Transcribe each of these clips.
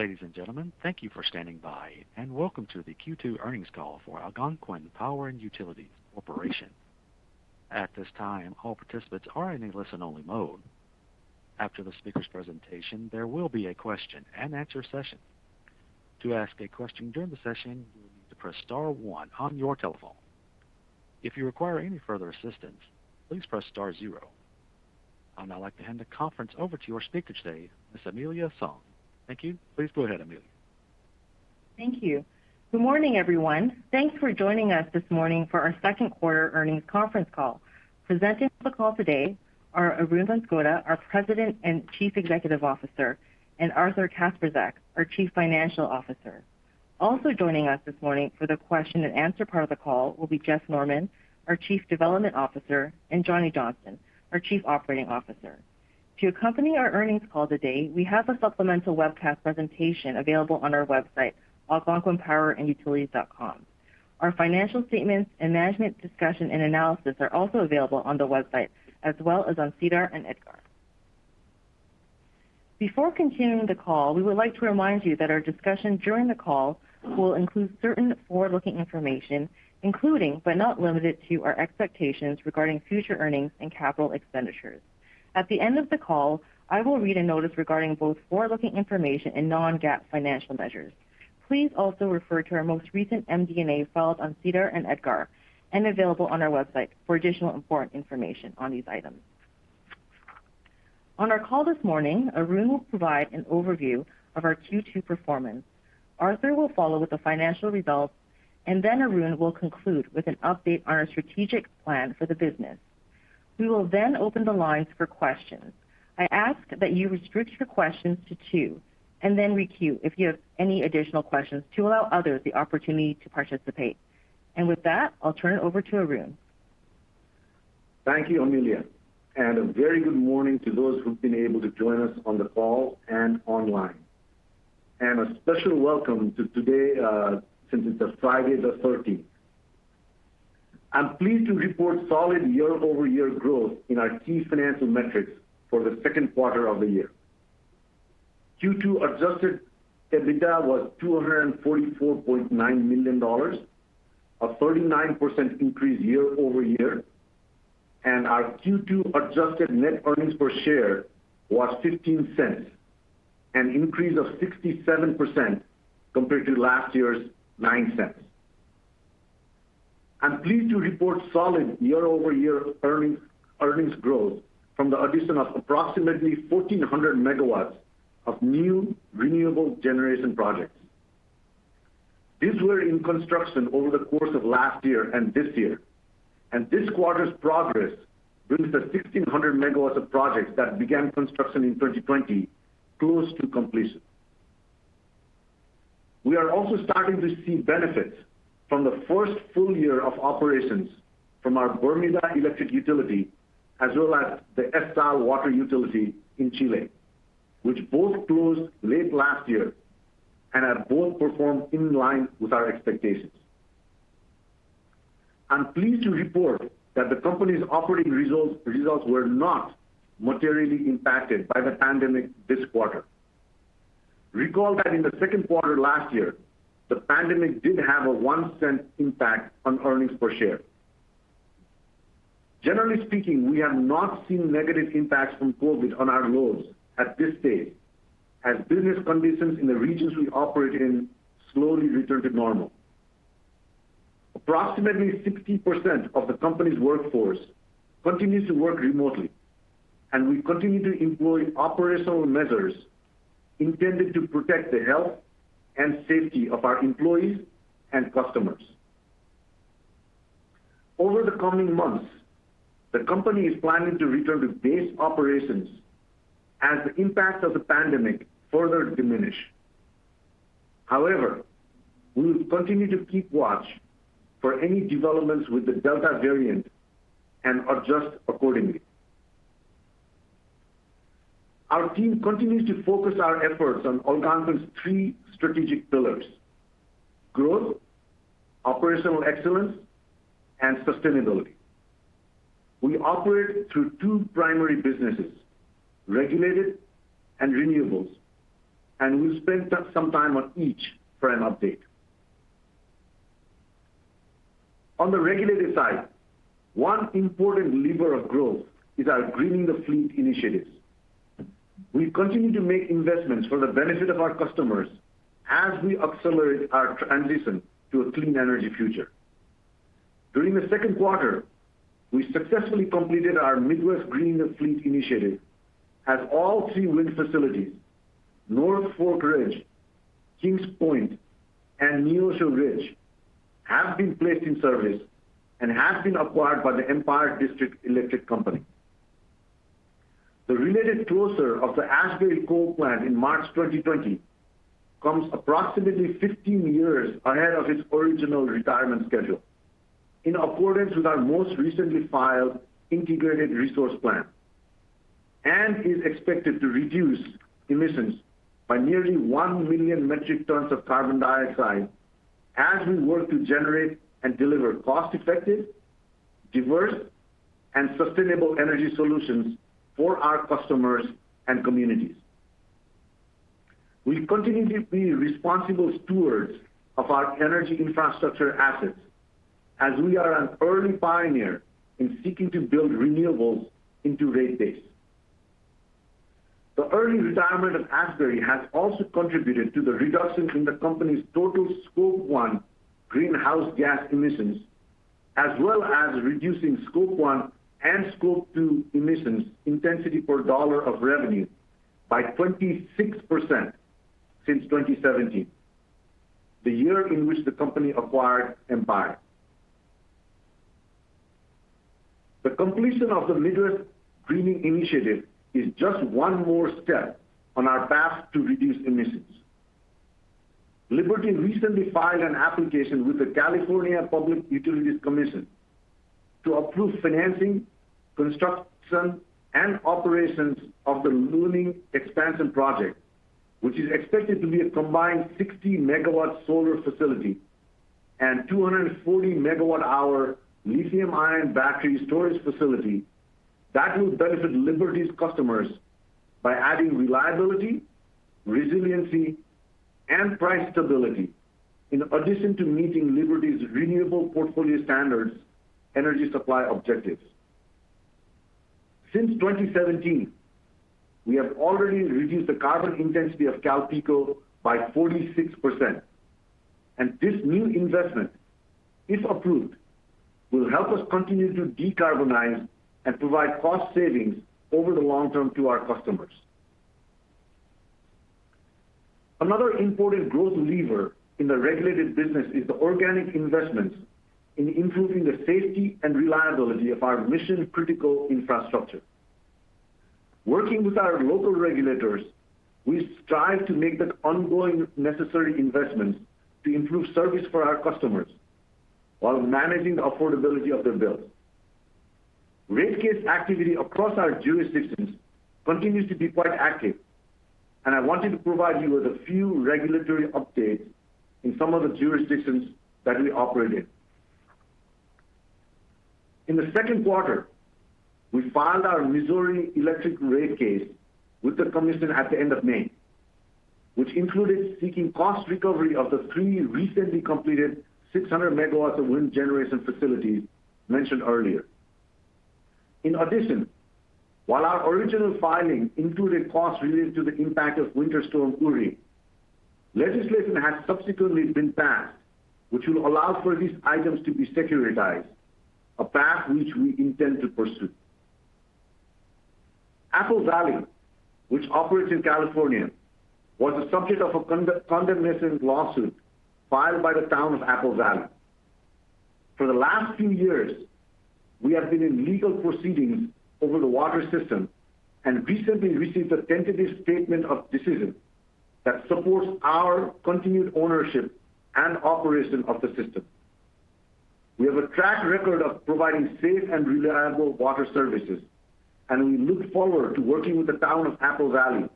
Ladies and gentlemen, thank you for standing by. And welcome to the Q2 earnings call for Algonquin Power & Utilities Corp. At this time, call participants are in listen-only mode. After the speakers presentation, there will be a question-and-answer session. To ask a question during the session, you need to press star one on your telephone. If you require further assistance, please press star zero. I'd now like to hand the conference over to our speaker today, Ms. Amelia Tsang. Thank you. Please go ahead, Amelia. Thank you. Good morning, everyone. Thanks for joining us this morning for our second quarter earnings conference call. Presenting the call today are Arun Banskota, our President and Chief Executive Officer, and Arthur Kacprzak, our Chief Financial Officer. Also joining us this morning for the question-and-answer part of the call will be Jeff Norman, our Chief Development Officer, and Johnny Johnston, our Chief Operating Officer. To accompany our earnings call today, we have a supplemental webcast presentation available on our website, algonquinpowerandutilities.com. Our financial statements and management discussion and analysis are also available on the website, as well as on SEDAR and EDGAR. Before continuing the call, we would like to remind you that our discussion during the call will include certain forward-looking information, including but not limited to our expectations regarding future earnings and capital expenditures. At the end of the call, I will read a notice regarding both forward-looking information and non-GAAP financial measures. Please also refer to our most recent MD&A filed on SEDAR and EDGAR and available on our website for additional important information on these items. On our call this morning, Arun will provide an overview of our Q2 performance. Arthur will follow with the financial results, and then Arun will conclude with an update on our strategic plan for the business. We will open the lines for questions. I ask that you restrict your questions to two, and then re-queue if you have any additional questions to allow others the opportunity to participate. With that, I'll turn it over to Arun. Thank you, Amelia, a very good morning to those who've been able to join us on the call and online. A special welcome to today, since it's Friday the 13th. I'm pleased to report solid year-over-year growth in our key financial metrics for the second quarter of the year. Q2 adjusted EBITDA was $244.9 million, a 39% increase year-over-year, and our Q2 adjusted net earnings per share was $0.15, an increase of 67% compared to last year's $0.09. I'm pleased to report solid year-over-year earnings growth from the addition of approximately 1,400 MW of new renewable generation projects. These were in construction over the course of last year and this year. This quarter's progress brings the 1,600 MW of projects that began construction in 2020 close to completion. We are also starting to see benefits from the first full year of operations from our Bermuda electric utility, as well as the ESSAL water utility in Chile, which both closed late last year and have both performed in line with our expectations. I'm pleased to report that the company's operating results were not materially impacted by the pandemic this quarter. Recall that in the second quarter last year, the pandemic did have a $0.01 impact on earnings per share. Generally speaking, we have not seen negative impacts from COVID on our loads at this stage as business conditions in the regions we operate in slowly return to normal. Approximately 60% of the company's workforce continues to work remotely, and we continue to employ operational measures intended to protect the health and safety of our employees and customers. Over the coming months, the company is planning to return to base operations as the impacts of the pandemic further diminish. We will continue to keep watch for any developments with the Delta variant and adjust accordingly. Our team continues to focus our efforts on Algonquin's three strategic pillars: growth, operational excellence, and sustainability. We operate through two primary businesses, regulated and renewables, and we will spend some time on each for an update. On the regulated side, one important lever of growth is our greening the fleet initiatives. We continue to make investments for the benefit of our customers as we accelerate our transition to a clean energy future. During the second quarter, we successfully completed our Midwest greening the fleet initiative, as all three wind facilities, North Fork Ridge, Kings Point, and Neosho Ridge, have been placed in service and have been acquired by The Empire District Electric Company. The related closure of the Asbury coal plant in March 2020 comes approximately 15 years ahead of its original retirement schedule in accordance with our most recently filed integrated resource plan and is expected to reduce emissions by nearly 1 million metric tons of carbon dioxide as we work to generate and deliver cost-effective, diverse and sustainable energy solutions for our customers and communities. We continue to be responsible stewards of our energy infrastructure assets as we are an early pioneer in seeking to build renewables into rate base. The early retirement of Asbury has also contributed to the reduction in the company's total Scope 1 greenhouse gas emissions, as well as reducing Scope 1 and Scope 2 emissions intensity per dollar of revenue by 26% since 2017, the year in which the company acquired Empire. The completion of the Midwest greening initiative is just one more step on our path to reduce emissions. Liberty recently filed an application with the California Public Utilities Commission to approve financing, construction, and operations of the Luning expansion project, which is expected to be a combined 60 MW solar facility and 240 MWh lithium-ion battery storage facility that will benefit Liberty's customers by adding reliability, resiliency, and price stability, in addition to meeting Liberty's renewable portfolio standards' energy supply objectives. Since 2017, we have already reduced the carbon intensity of CalPeco by 46%. This new investment, if approved, will help us continue to decarbonize and provide cost savings over the long term to our customers. Another important growth lever in the regulated business is the organic investments in improving the safety and reliability of our mission-critical infrastructure. Working with our local regulators, we strive to make the ongoing necessary investments to improve service for our customers while managing the affordability of their bills. Rate case activity across our jurisdictions continues to be quite active. I wanted to provide you with a few regulatory updates in some of the jurisdictions that we operate in. In the second quarter, we filed our Missouri electric rate case with the commission at the end of May, which included seeking cost recovery of the three recently completed 600 MW of wind generation facilities mentioned earlier. In addition, while our original filing included costs related to the impact of Winter Storm Uri, legislation has subsequently been passed, which will allow for these items to be securitized, a path which we intend to pursue. Apple Valley, which operates in California, was the subject of a condemnation lawsuit filed by the town of Apple Valley. For the last few years, we have been in legal proceedings over the water system and recently received a tentative statement of decision that supports our continued ownership and operation of the system. We have a track record of providing safe and reliable water services, and we look forward to working with the town of Apple Valley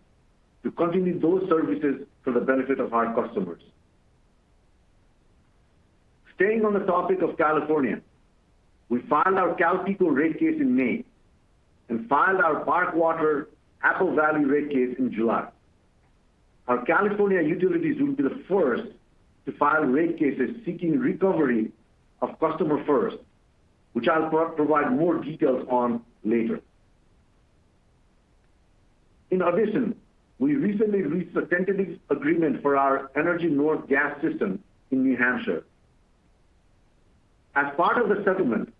to continue those services for the benefit of our customers. Staying on the topic of California, we filed our CalPeco rate case in May and filed our Park Water Apple Valley rate case in July. Our California utilities will be the first to file rate cases seeking recovery of Customer First, which I'll provide more details on later. In addition, we recently reached a tentative agreement for our Energy North Gas System in New Hampshire. As part of the settlement,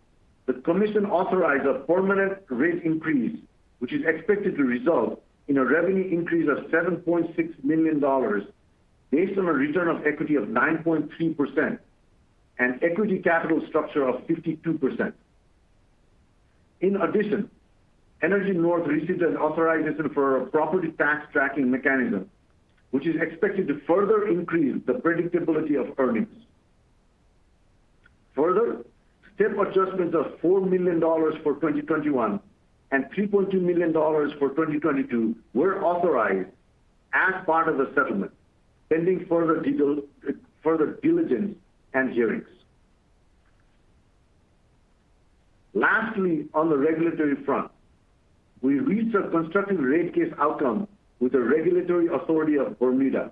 the commission authorized a permanent rate increase, which is expected to result in a revenue increase of $7.6 million based on a return of equity of 9.3% and equity capital structure of 52%. In addition, Energy North received an authorization for a property tax tracking mechanism, which is expected to further increase the predictability of earnings. Further, step adjustments of $4 million for 2021 and $3.2 million for 2022 were authorized as part of the settlement, pending further diligence and hearings. Lastly, on the regulatory front, we reached a constructive rate case outcome with the regulatory authority of Bermuda,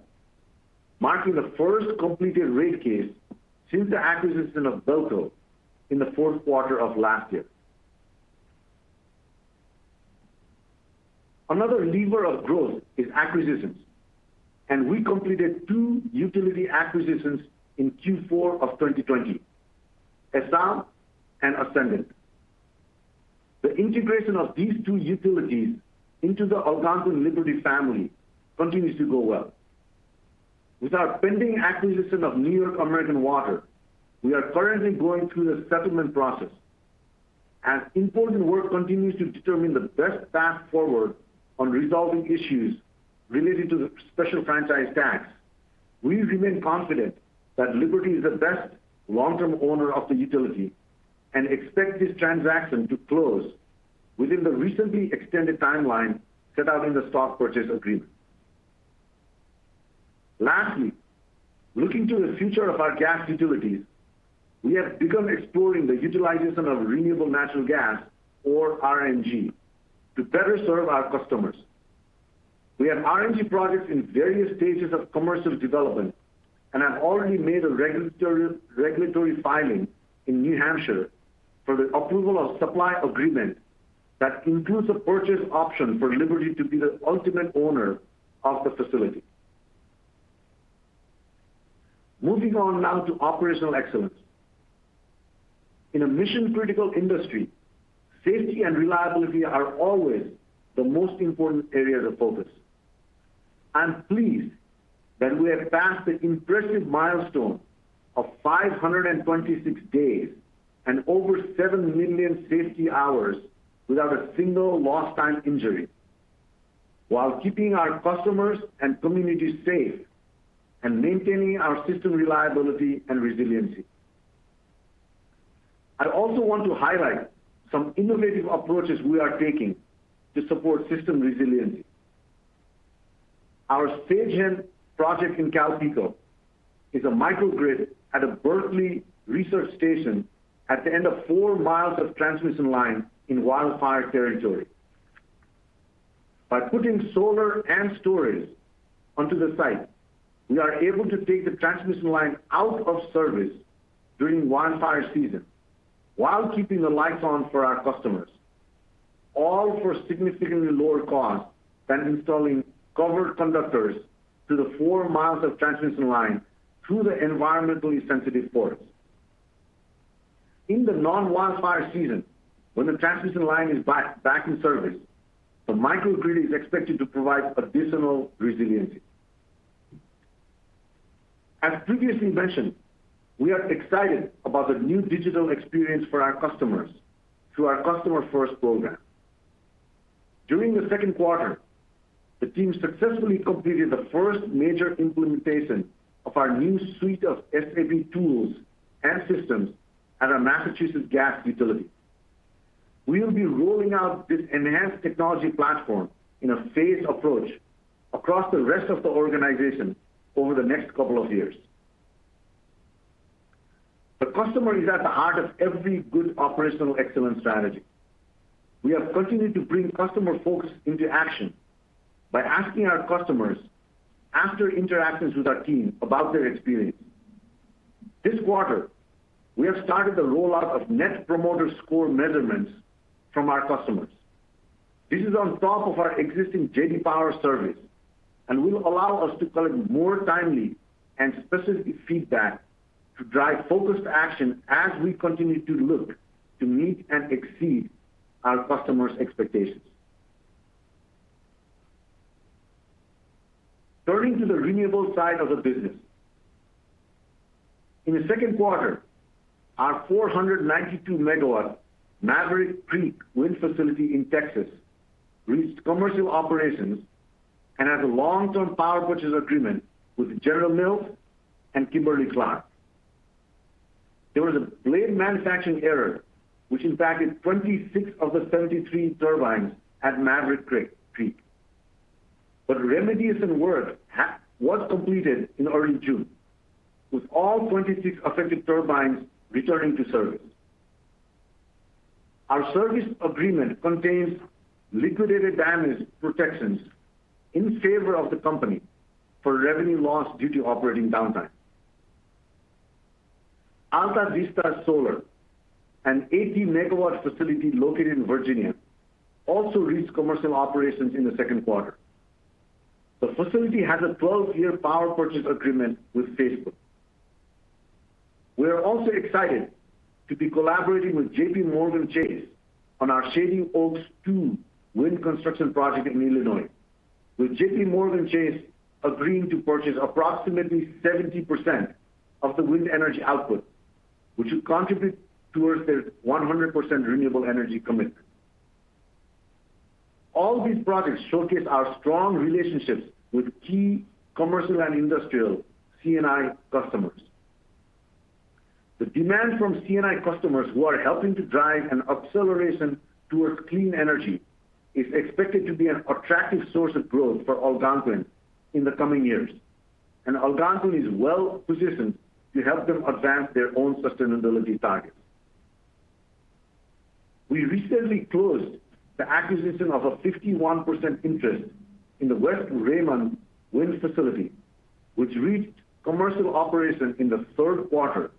marking the first completed rate case since the acquisition of BELCO in the fourth quarter of last year. Another lever of growth is acquisitions. We completed two utility acquisitions in Q4 of 2020, ESSAL and Ascendant. The integration of these two utilities into the Algonquin-Liberty family continues to go well. With our pending acquisition of New York American Water, we are currently going through the settlement process. As important work continues to determine the best path forward on resolving issues relating to the special franchise tax, we remain confident that Liberty is the best long-term owner of the utility and expect this transaction to close within the recently extended timeline set out in the stock purchase agreement. Lastly, looking to the future of our gas utilities, we have begun exploring the utilization of Renewable Natural Gas, or RNG, to better serve our customers. We have RNG projects in various stages of commercial development and have already made a regulatory filing in New Hampshire for the approval of supply agreement that includes a purchase option for Liberty to be the ultimate owner of the facility. Moving on now to operational excellence. In a mission-critical industry, safety and reliability are always the most important areas of focus. I'm pleased that we have passed the impressive milestone of 526 days and over 7 million safety hours without a single lost-time injury while keeping our customers and communities safe and maintaining our system reliability and resiliency. I also want to highlight some innovative approaches we are taking to support system resiliency. Our Sagehen project in CalPeco is a microgrid at a Berkeley research station at the end of 4 mi of transmission line in wildfire territory. By putting solar and storage onto the site, we are able to take the transmission line out of service during wildfire season while keeping the lights on for our customers, all for significantly lower cost than installing covered conductors to the 4 mi of transmission line through the environmentally sensitive forests. In the non-wildfire season, when the transmission line is back in service, the microgrid is expected to provide additional resiliency. As previously mentioned, we are excited about the new digital experience for our customers through our Customer First program. During the second quarter, the team successfully completed the first major implementation of our new suite of SAP tools and systems at our Massachusetts gas utility. We'll be rolling out this enhanced technology platform in a phased approach across the rest of the organization over the next couple of years. The customer is at the heart of every good operational excellence strategy. We have continued to bring customer focus into action by asking our customers, after interactions with our team, about their experience. This quarter, we have started the rollout of Net Promoter Score measurements from our customers. This is on top of our existing JD Power survey will allow us to collect more timely and specific feedback to drive focused action as we continue to look to meet and exceed our customers' expectations. Turning to the renewables side of the business. In the second quarter, our 492 MW Maverick Creek Wind Facility in Texas reached commercial operations and has a long-term power purchase agreement with General Mills and Kimberly-Clark. There was a blade manufacturing error, which impacted 26 of the 73 turbines at Maverick Creek. Remedies and work was completed in early June, with all 26 affected turbines returning to service. Our service agreement contains liquidated damage protections in favor of the company for revenue lost due to operating downtime. Altavista Solar, an 80 MW facility located in Virginia, also reached commercial operations in the second quarter. The facility has a 12-year power purchase agreement with Facebook. We are also excited to be collaborating with JPMorgan Chase on our Shady Oaks II Wind Construction project in Illinois, with JPMorgan Chase agreeing to purchase approximately 70% of the wind energy output, which will contribute towards their 100% renewable energy commitment. All these projects showcase our strong relationships with key commercial and industrial C&I customers. The demand from C&I customers who are helping to drive an acceleration towards clean energy is expected to be an attractive source of growth for Algonquin in the coming years, and Algonquin is well-positioned to help them advance their own sustainability targets. We recently closed the acquisition of a 51% interest in the West Raymond Wind Facility, which reached commercial operations in the third quarter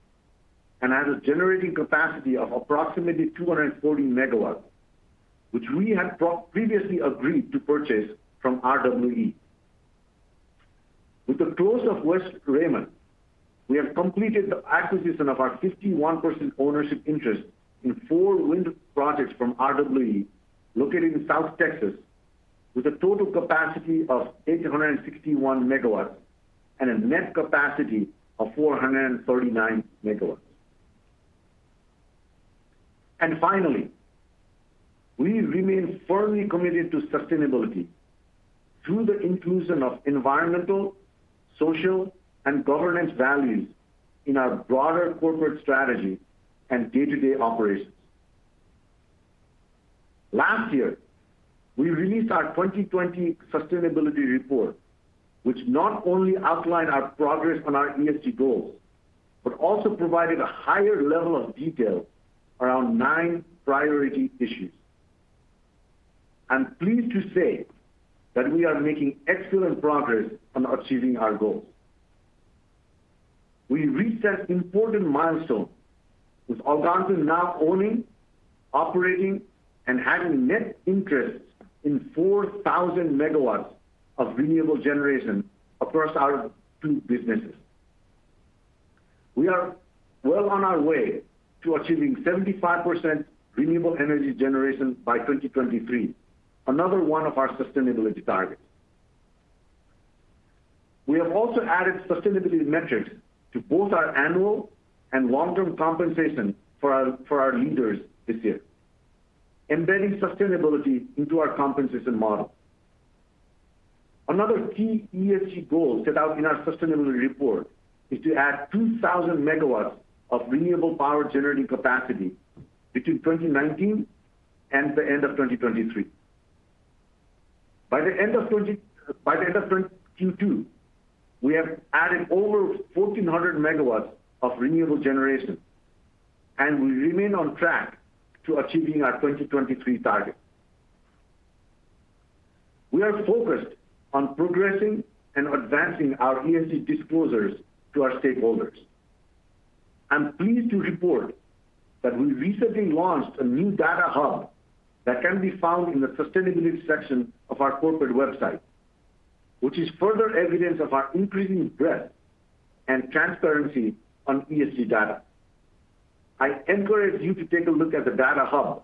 and has a generating capacity of approximately 240 MW, which we had previously agreed to purchase from RWE. With the close of West Raymond, we have completed the acquisition of our 51% ownership interest in four wind projects from RWE located in South Texas, with a total capacity of 861 MW and a net capacity of 439 MW. Finally, we remain firmly committed to sustainability through the inclusion of environmental, social, and governance values in our broader corporate strategy and day-to-day operations. Last year, we released our 2020 sustainability report, which not only outlined our progress on our ESG goals, but also provided a higher level of detail around nine priority issues. I'm pleased to say that we are making excellent progress on achieving our goals. We reached an important milestone with Algonquin now owning, operating, and having net interest in 4,000 MW of renewable generation across our two businesses. We are well on our way to achieving 75% renewable energy generation by 2023, another one of our sustainability targets. We have also added sustainability metrics to both our annual and long-term compensation for our leaders this year, embedding sustainability into our compensation model. Another key ESG goal set out in our sustainability report is to add 2,000 MW of renewable power-generating capacity between 2019 and the end of 2023. By the end of 2022, we have added over 1,400 MW of renewable generation, and we remain on track to achieving our 2023 target. We are focused on progressing and advancing our ESG disclosures to our stakeholders. I'm pleased to report that we recently launched a new data hub that can be found in the Sustainability section of our corporate website, which is further evidence of our increasing breadth and transparency on ESG data. I encourage you to take a look at the data hub,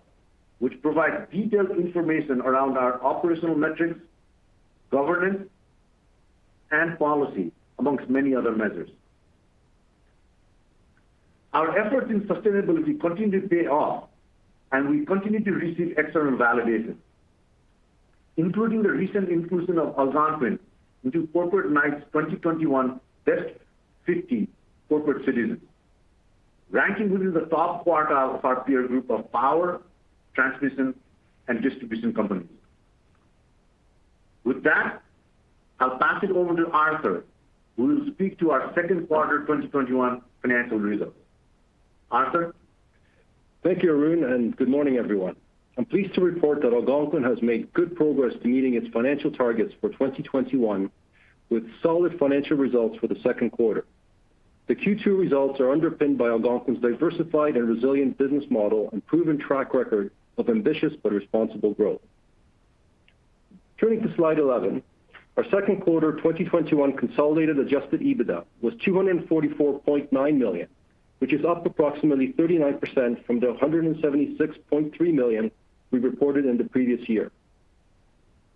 which provides detailed information around our operational metrics, governance, and policy, amongst many other measures. Our efforts in sustainability continue to pay off, and we continue to receive external validation, including the recent inclusion of Algonquin into Corporate Knights 2021 Best 50 Corporate Citizens, ranking within the top quartile of our peer group of power, transmission, and distribution companies. With that, I'll pass it over to Arthur, who will speak to our second quarter 2021 financial results. Arthur? Thank you, Arun, good morning, everyone. I am pleased to report that Algonquin has made good progress meeting its financial targets for 2021 with solid financial results for the second quarter. The Q2 results are underpinned by Algonquin's diversified and resilient business model and proven track record of ambitious but responsible growth. Turning to slide 11, our second quarter 2021 consolidated adjusted EBITDA was $244.9 million, which is up approximately 39% from the $176.3 million we reported in the previous year.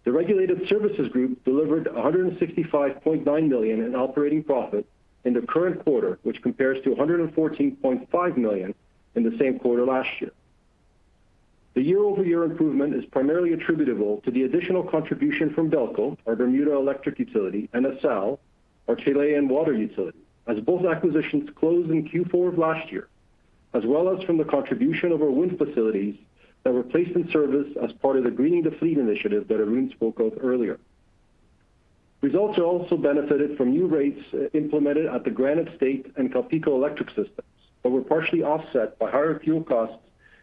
The regulated services group delivered $165.9 million in divisional operating profit in the current quarter, which compares to $114.5 million in the same quarter last year. The year-over-year improvement is primarily attributable to the additional contribution from BELCO, our Bermuda electric utility, and ESSAL, our Chilean water utility, as both acquisitions closed in Q4 of last year, as well as from the contribution of our wind facilities that were placed in service as part of the greening the fleet initiative that Arun spoke of earlier. Results are also benefited from new rates implemented at the Granite State and CalPeco Electric Systems, but were partially offset by higher fuel costs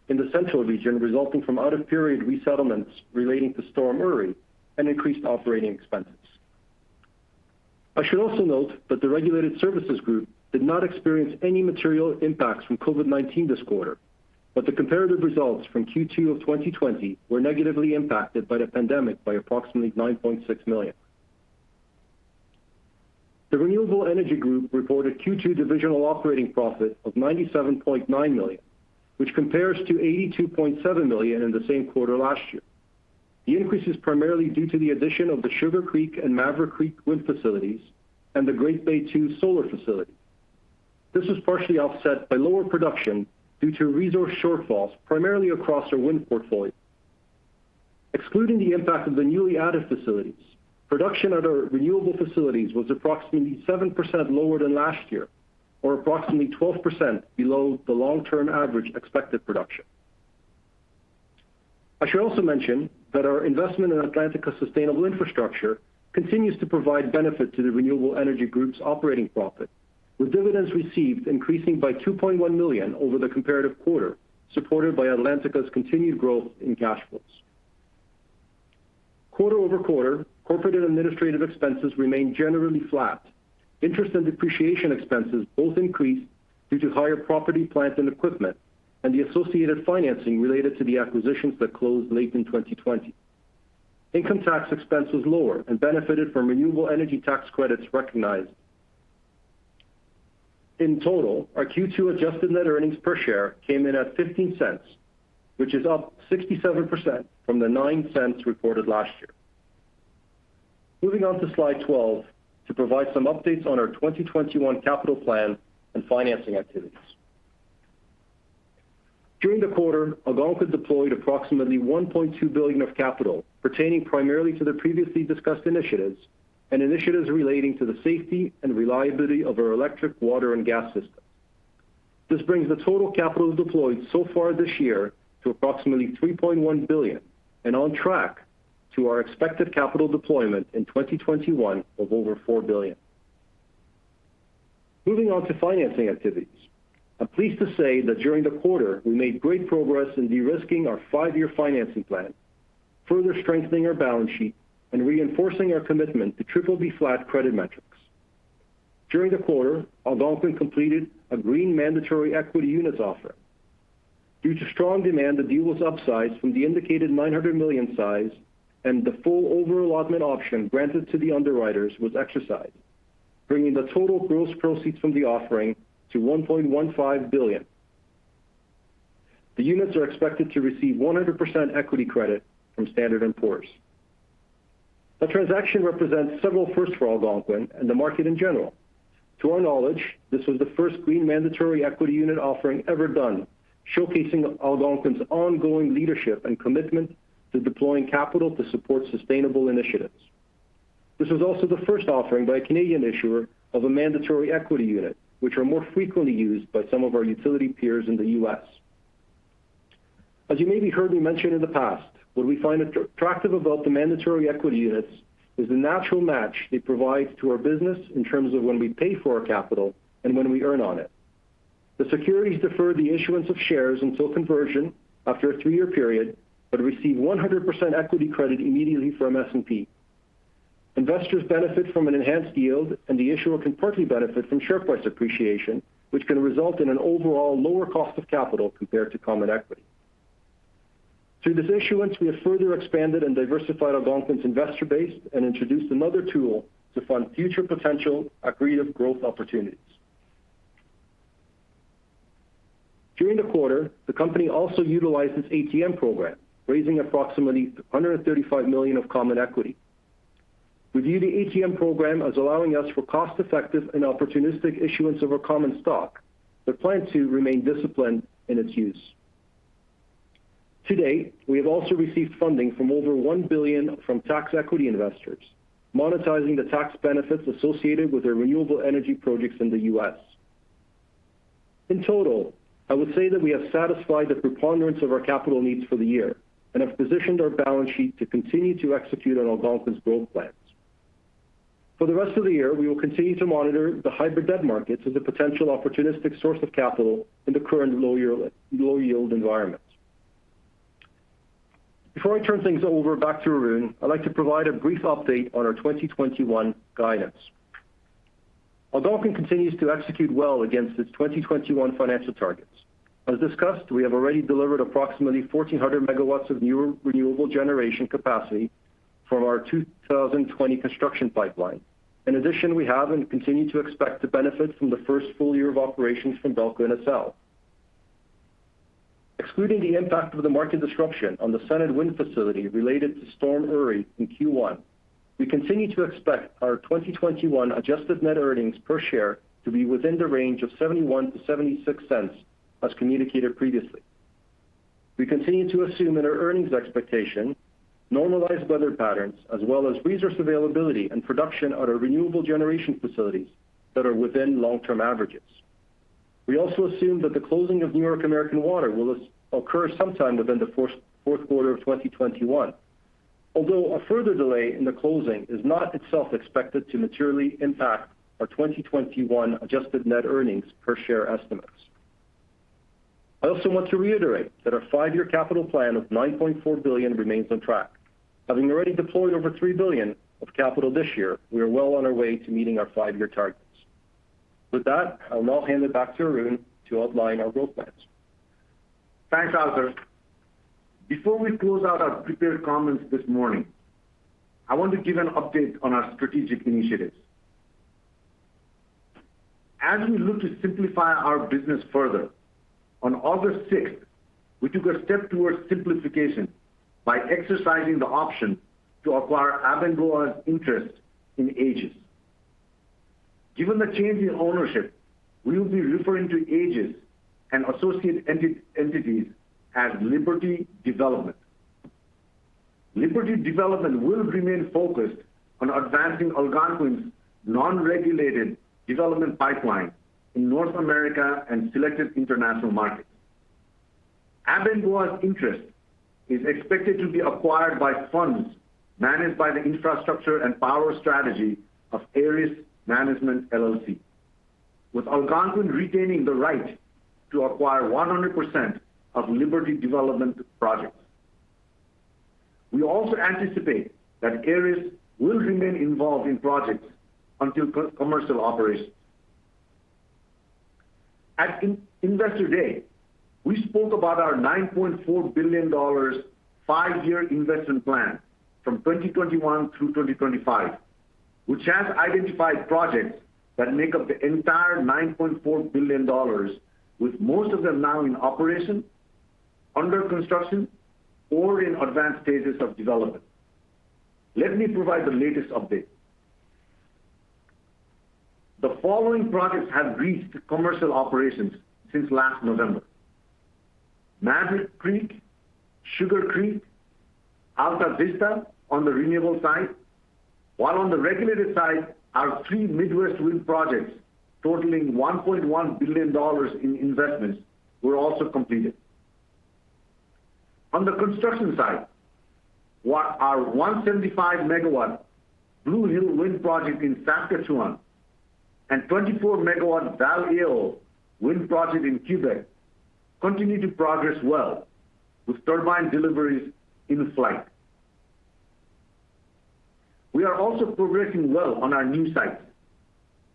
in the central region, resulting from out-of-period resettlements relating to Winter Storm Uri and increased operating expenses. I should also note that the regulated services group did not experience any material impacts from COVID-19 this quarter, but the comparative results from Q2 of 2020 were negatively impacted by the pandemic by approximately $9.6 million. The Renewable Energy Group reported Q2 divisional operating profit of $97.9 million, which compares to $82.7 million in the same quarter last year. The increase is primarily due to the addition of the Sugar Creek and Maverick Creek Wind Facilities and the Great Bay II Solar Facility. This was partially offset by lower production due to resource shortfalls, primarily across our wind portfolio. Excluding the impact of the newly added facilities, production at our renewable facilities was approximately 7% lower than last year, or approximately 12% below the long-term average expected production. I should also mention that our investment in Atlantica Sustainable Infrastructure continues to provide benefit to the Renewable Energy Group's operating profit, with dividends received increasing by $2.1 million over the comparative quarter, supported by Atlantica's continued growth in cash flows. Quarter-over-quarter, corporate and administrative expenses remained generally flat. Interest and depreciation expenses both increased due to higher property, plant, and equipment and the associated financing related to the acquisitions that closed late in 2020. Income tax expense was lower and benefited from renewable energy tax credits recognized. In total, our Q2 adjusted net earnings per share came in at $0.15, which is up 67% from the $0.09 reported last year. Moving on to slide 12 to provide some updates on our 2021 capital plan and financing activities. During the quarter, Algonquin deployed approximately $1.2 billion of capital pertaining primarily to the previously discussed initiatives and initiatives relating to the safety and reliability of our electric, water, and gas systems. This brings the total capital deployed so far this year to approximately $3.1 billion, and on track to our expected capital deployment in 2021 of over $4 billion. Moving on to financing activities. I'm pleased to say that during the quarter, we made great progress in de-risking our five-year financing plan, further strengthening our balance sheet, and reinforcing our commitment to BBB flat credit metrics. During the quarter, Algonquin completed a green mandatory equity units offer. Due to strong demand, the deal was upsized from the indicated $900 million size, and the full overallotment option granted to the underwriters was exercised, bringing the total gross proceeds from the offering to $1.15 billion. The units are expected to receive 100% equity credit from Standard & Poor's. The transaction represents several firsts for Algonquin and the market in general. To our knowledge, this was the first green mandatory equity unit offering ever done, showcasing Algonquin's ongoing leadership and commitment to deploying capital to support sustainable initiatives. This was also the first offering by a Canadian issuer of a mandatory equity unit, which are more frequently used by some of our utility peers in the U.S. As you maybe heard me mention in the past, what we find attractive about the mandatory equity units is the natural match they provide to our business in terms of when we pay for our capital and when we earn on it. The securities defer the issuance of shares until conversion after a three-year period, but receive 100% equity credit immediately from S&P. Investors benefit from an enhanced yield, and the issuer can partly benefit from share price appreciation, which can result in an overall lower cost of capital compared to common equity. Through this issuance, we have further expanded and diversified Algonquin's investor base and introduced another tool to fund future potential accretive growth opportunities. During the quarter, the company also utilized its ATM program, raising approximately $135 million of common equity. We view the ATM program as allowing us for cost-effective and opportunistic issuance of our common stock, plan to remain disciplined in its use. To date, we have also received funding from over $1 billion from tax equity investors, monetizing the tax benefits associated with their renewable energy projects in the U.S. In total, I would say that we have satisfied the preponderance of our capital needs for the year and have positioned our balance sheet to continue to execute on Algonquin's growth plans. For the rest of the year, we will continue to monitor the hybrid debt markets as a potential opportunistic source of capital in the current low-yield environment. Before I turn things over back to Arun, I'd like to provide a brief update on our 2021 guidance. Algonquin continues to execute well against its 2021 financial targets. As discussed, we have already delivered approximately 1,400 MW of new renewable generation capacity from our 2020 construction pipeline. In addition, we have and continue to expect the benefits from the first full year of operations from BELCO and ESSAL. Excluding the impact of the market disruption on the Senate Wind facility related to Winter Storm Uri in Q1, we continue to expect our 2021 adjusted net earnings per share to be within the range of $0.71-$0.76, as communicated previously. We continue to assume in our earnings expectation normalized weather patterns as well as resource availability and production at our renewable generation facilities that are within long-term averages. We also assume that the closing of New York American Water will occur sometime within the fourth quarter of 2021. Although a further delay in the closing is not itself expected to materially impact our 2021 adjusted net earnings per share estimates. I also want to reiterate that our five-year capital plan of $9.4 billion remains on track. Having already deployed over $3 billion of capital this year, we are well on our way to meeting our five-year targets. With that, I'll now hand it back to Arun to outline our growth plans. Thanks, Arthur. Before we close out our prepared comments this morning, I want to give an update on our strategic initiatives. As we look to simplify our business further, on August 6th, we took a step towards simplification by exercising the option to acquire Abengoa's interest in AAGES. Given the change in ownership, we will be referring to AAGES and associate entities as Liberty Development. Liberty Development will remain focused on advancing Algonquin's non-regulated development pipeline in North America and selected international markets. Abengoa's interest is expected to be acquired by funds managed by the infrastructure and power strategy of Ares Management LLC, with Algonquin retaining the right to acquire 100% of Liberty Development projects. We also anticipate that Ares will remain involved in projects until commercial operations. At Investor Day, we spoke about our $9.4 billion five-year investment plan from 2021 through 2025, which has identified projects that make up the entire $9.4 billion, with most of them now in operation, under construction, or in advanced stages of development. Let me provide the latest update. The following projects have reached commercial operations since last November. Maverick Creek, Sugar Creek, Altavista on the renewable side. While on the regulated side, our three Midwest wind projects totaling $1.1 billion in investments were also completed. On the construction side, our 175 MW Blue Hill Wind Project in Saskatchewan and 24 MW Val-Éo Wind Project in Quebec continue to progress well, with turbine deliveries in flight. We are also progressing well on our new sites,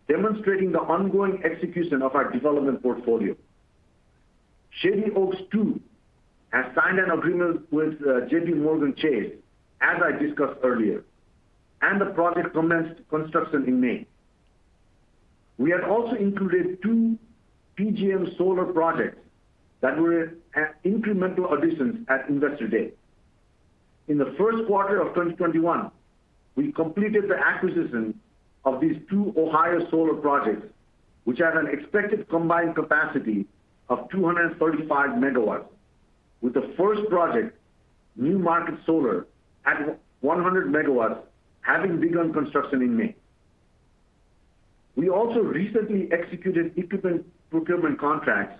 demonstrating the ongoing execution of our development portfolio. Shady Oaks II has signed an agreement with JPMorgan Chase, as I discussed earlier, and the project commenced construction in May. We have also included two PJM solar projects that were incremental additions at Investor Day. In the first quarter of 2021, we completed the acquisition of these two Ohio solar projects, which have an expected combined capacity of 235 MW, with the first project, New Market Solar at 100 MW, having begun construction in May. We also recently executed equipment procurement contracts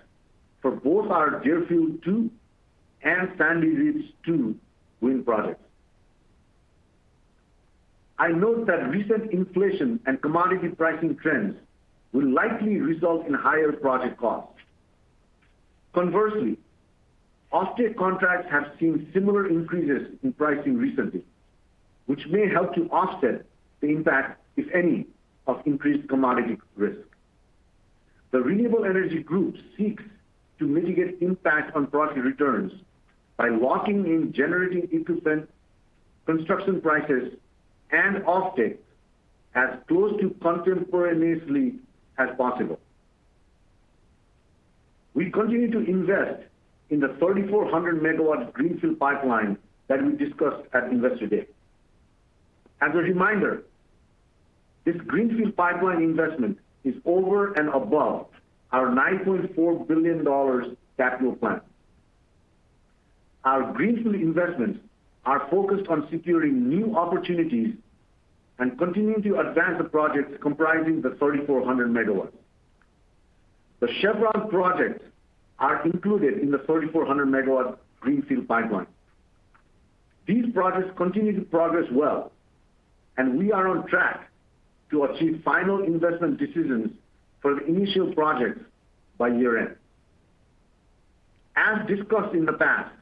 for both our Deerfield II and Sandy Ridge 2 wind projects. I note that recent inflation and commodity pricing trends will likely result in higher project costs. Conversely, offtake contracts have seen similar increases in pricing recently, which may help to offset the impact, if any, of increased commodity risk. The Renewable Energy Group seeks to mitigate impact on project returns by locking in generating equipment, construction prices, and offtakes as close to contemporaneously as possible. We continue to invest in the 3,400 MW greenfield pipeline that we discussed at Investor Day. As a reminder, this greenfield pipeline investment is over and above our $9.4 billion capital plan. Our greenfield investments are focused on securing new opportunities and continuing to advance the projects comprising the 3,400 MW. The Chevron projects are included in the 3,400 MW greenfield pipeline. These projects continue to progress well, and we are on track to achieve final investment decisions for the initial projects by year-end. As discussed in the past,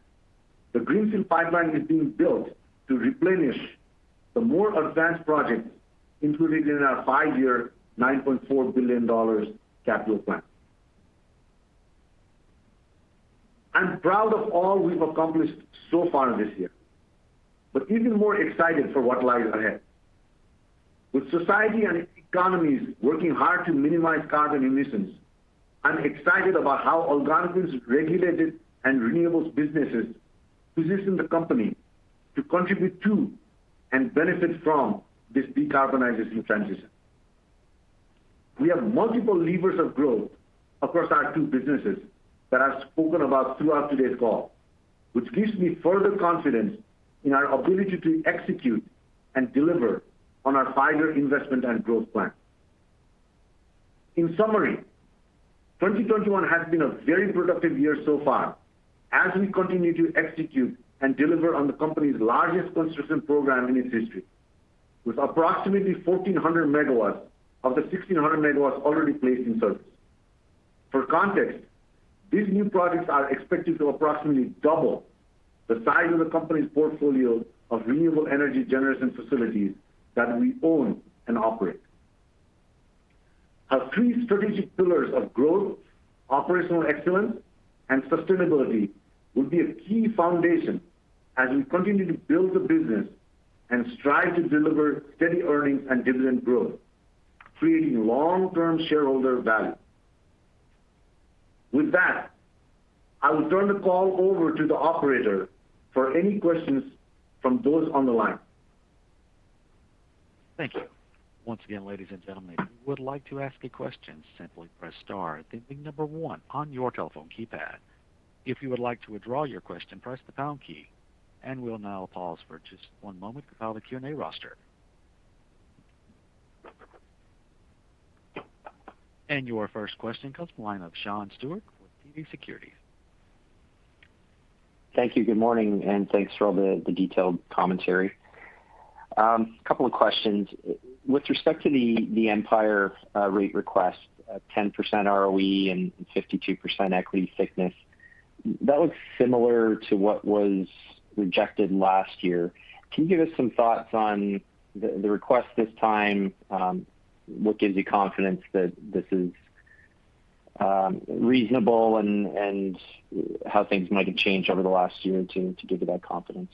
the greenfield pipeline is being built to replenish the more advanced projects included in our five-year $9.4 billion capital plan. I'm proud of all we've accomplished so far this year, but even more excited for what lies ahead. With society and economies working hard to minimize carbon emissions, I'm excited about how Algonquin's regulated and renewables businesses position the company to contribute to and benefit from this decarbonization transition. We have multiple levers of growth across our two businesses that I've spoken about throughout today's call, which gives me further confidence in our ability to execute and deliver on our five-year investment and growth plan. In summary, 2021 has been a very productive year so far as we continue to execute and deliver on the company's largest construction program in its history. With approximately 1,400 MW of the 1,600 MW already placed in service. For context, these new projects are expected to approximately double the size of the company's portfolio of renewable energy generation facilities that we own and operate. Our three strategic pillars of growth, operational excellence, and sustainability will be a key foundation as we continue to build the business and strive to deliver steady earnings and dividend growth, creating long-term shareholder value. With that, I will turn the call over to the operator for any questions from those on the line. Thank you. Once again, ladies and gentlemen, if you would like to ask a question, simply press star then the number one on your telephone keypad. If you would like to withdraw your question, press the pound key. We'll now pause for just one moment to compile a Q&A roster. Your first question comes from the line of Sean Steuart with TD Securities. Thank you. Good morning, thanks for all the detailed commentary. A couple of questions. With respect to the Empire rate request, 10% ROE and 52% equity thickness, that looks similar to what was rejected last year. Can you give us some thoughts on the request this time? What gives you confidence that this is reasonable, how things might have changed over the last year to give you that confidence?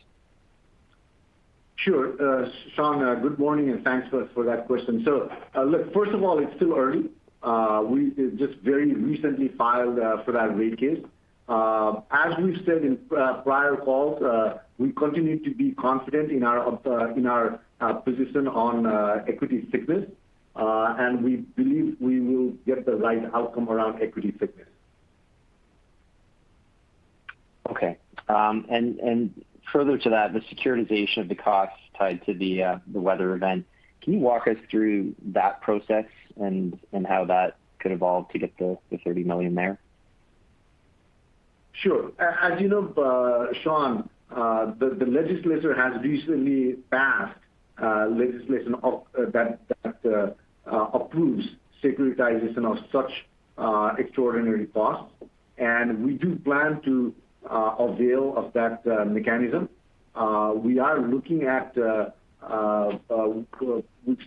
Sure. Sean, good morning, thanks for that question. Look, first of all, it's still early. We just very recently filed for that rate case. As we've said in prior calls, we continue to be confident in our position on equity thickness. We believe we will get the right outcome around equity thickness. Okay. Further to that, the securitization of the costs tied to the weather event, can you walk us through that process and how that could evolve to get the $30 million there? Sure. As you know, Sean, the legislature has recently passed legislation that approves securitization of such extraordinary costs. We do plan to avail of that mechanism. We've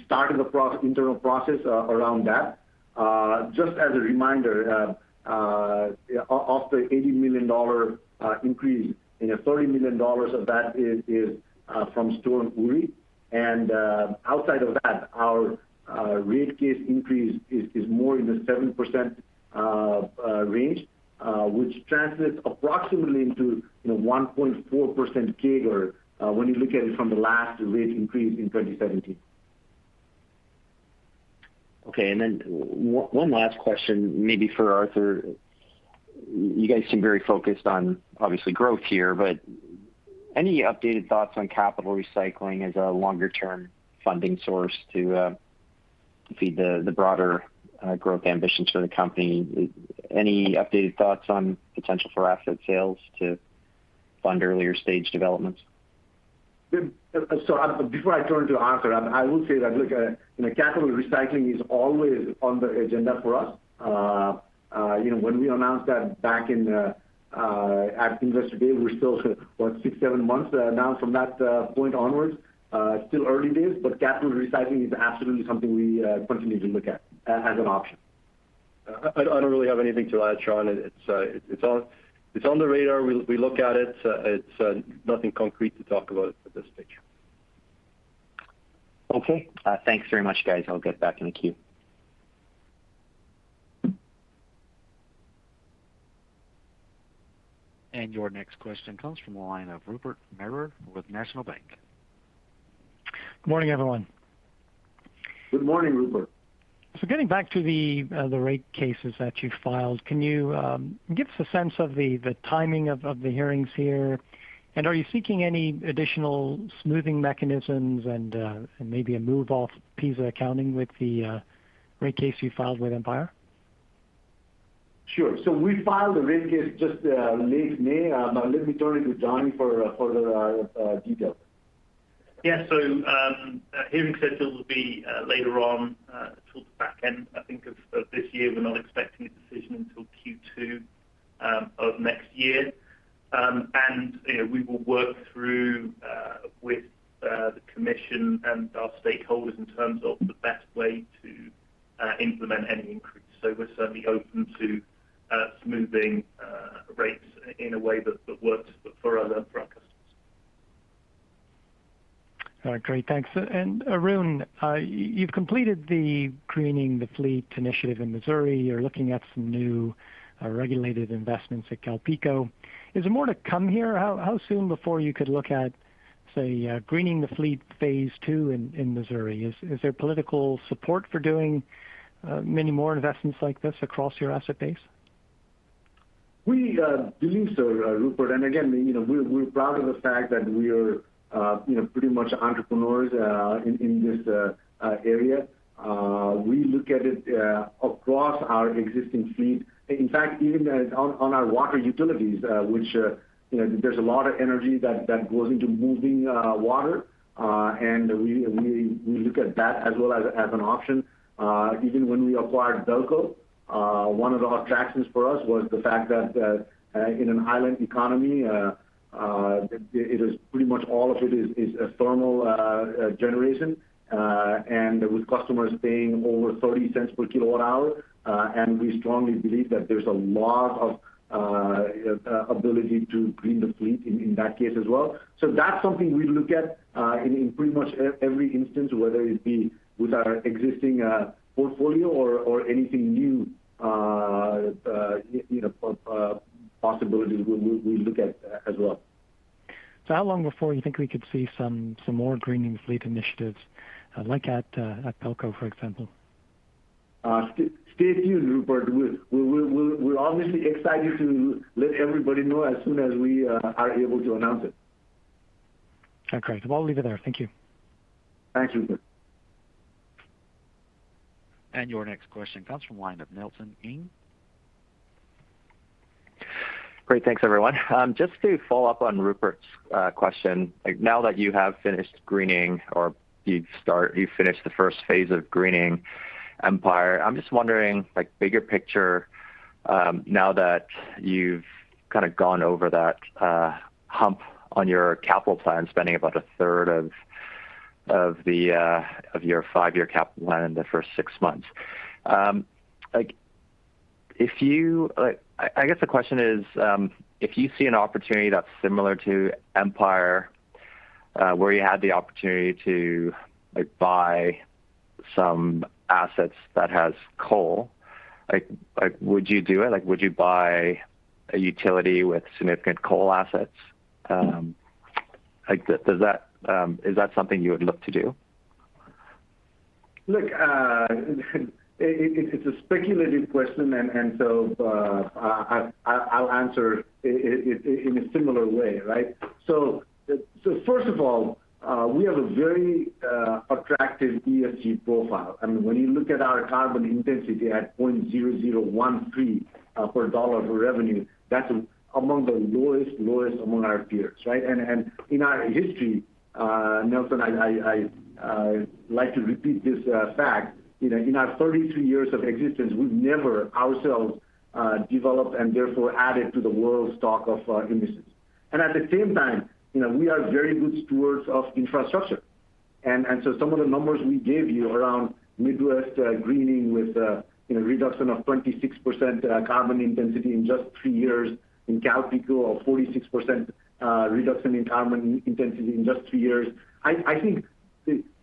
started the internal process around that. Just as a reminder, of the $80 million increase, $30 million of that is from Storm Uri. Outside of that, our rate case increase is more in the 7% range, which translates approximately into 1.4% CAGR when you look at it from the last rate increase in 2017. Okay. One last question, maybe for Arthur. You guys seem very focused on, obviously, growth here, but any updated thoughts on capital recycling as a longer-term funding source to feed the broader growth ambitions for the company? Any updated thoughts on potential for asset sales to fund earlier-stage developments? Before I turn to Arthur, I will say that, look, capital recycling is always on the agenda for us. When we announced that back at Investor Day, we're still, what, six, seven months now from that point onwards. Still early days, capital recycling is absolutely something we continue to look at as an option. I don't really have anything to add, Sean. It's on the radar. We look at it. It's nothing concrete to talk about at this stage. Okay. Thanks very much, guys. I'll get back in the queue. Your next question comes from the line of Rupert Merer with National Bank. Morning, everyone. Good morning, Rupert. Getting back to the rate cases that you filed, can you give us a sense of the timing of the hearings here? Are you seeking any additional smoothing mechanisms and maybe a move off PIS accounting with the rate case you filed with Empire? Sure. We filed the rate case just late May. Let me turn to Johnny for further details. Yeah. Hearing schedule will be later on towards the back end, I think, of this year. We're not expecting a decision until Q2 of next year. We will work through with the commission and our stakeholders in terms of the best way to implement any increase. We're certainly open to smoothing rates in a way that works for us and for our customers. All right, great. Thanks. Arun, you've completed the greening the fleet initiative in Missouri. You're looking at some new regulated investments at CalPeco. Is there more to come here? How soon before you could look at, say, greening the fleet phase II in Missouri? Is there political support for doing many more investments like this across your asset base? We believe so, Rupert. Again, we're proud of the fact that we are pretty much entrepreneurs in this area. We look at it across our existing fleet. In fact, even on our water utilities, which there's a lot of energy that goes into moving water. We look at that as well as an option. Even when we acquired BELCO, one of the attractions for us was the fact that in an island economy, pretty much all of it is thermal generation. With customers paying over $0.30/kWh, and we strongly believe that there's a lot of ability to greening the fleet in that case as well. That's something we look at in pretty much every instance, whether it be with our existing portfolio or anything new, possibilities, we look at as well. How long before you think we could see some more greening the fleet initiatives, like at BELCO, for example? Stay tuned, Rupert. We're obviously excited to let everybody know as soon as we are able to announce it. Okay, great. I'll leave it there. Thank you. Thanks, Rupert. Your next question comes from line of Nelson Ng. Great. Thanks, everyone. Just to follow up on Rupert's question, now that you have finished the first phase of greening Empire, I'm just wondering, bigger picture, now that you've kind of gone over that hump on your capital plan, spending about a third of your five-year capital plan in the first six months. I guess the question is, if you see an opportunity that's similar to Empire, where you had the opportunity to buy some assets that has coal, would you do it? Would you buy a utility with significant coal assets? Is that something you would look to do? Look, it's a speculative question. I'll answer it in a similar way. Right. First of all, we have a very attractive ESG profile. When you look at our carbon intensity at 0.0013 per dollar of revenue, that's among the lowest among our peers. Right. In our history, Nelson, I like to repeat this fact. In our 33 years of existence, we've never ourselves developed and therefore added to the world's stock of emissions. At the same time, we are very good stewards of infrastructure. Some of the numbers we gave you around Midwest greening with a reduction of 26% carbon intensity in just three years, in CalPeco, a 46% reduction in carbon intensity in just three years. I think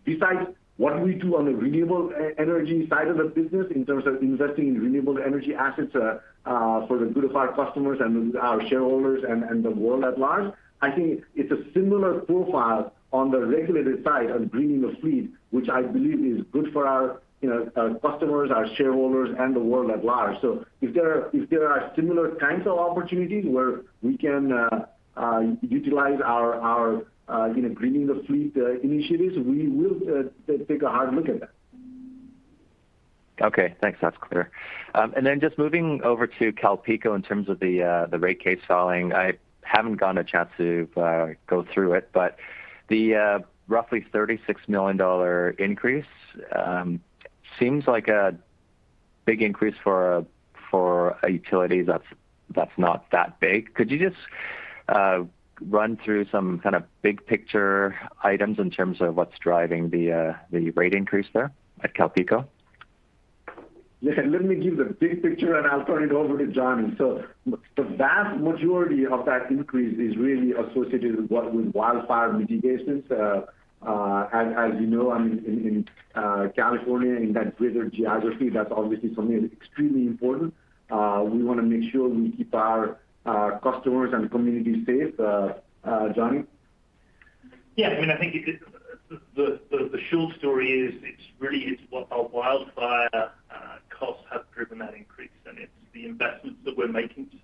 besides what we do on the renewable energy side of the business in terms of investing in renewable energy assets for the good of our customers and our shareholders and the world at large, I think it's a similar profile on the regulated side of Greening the Fleet, which I believe is good for our customers, our shareholders, and the world at large. If there are similar kinds of opportunities where we can utilize our greening the fleet initiatives, we will take a hard look at that. Okay, thanks. That's clear. Just moving over to CalPeco, in terms of the rate case filing. I haven't gotten a chance to go through it, the roughly $36 million increase seems like a big increase for a utility that's not that big. Could you just run through some kind of big picture items in terms of what's driving the rate increase there at CalPeco? Let me give the big picture, and I'll turn it over to Johnny. The vast majority of that increase is really associated with wildfire mitigations. As you know, in California, in that greater geography, that's obviously something that's extremely important. We want to make sure we keep our customers and community safe. Johnny? Yeah, I think the short story is it really is what our wildfire costs have driven that increase, and it's the investments that we're making to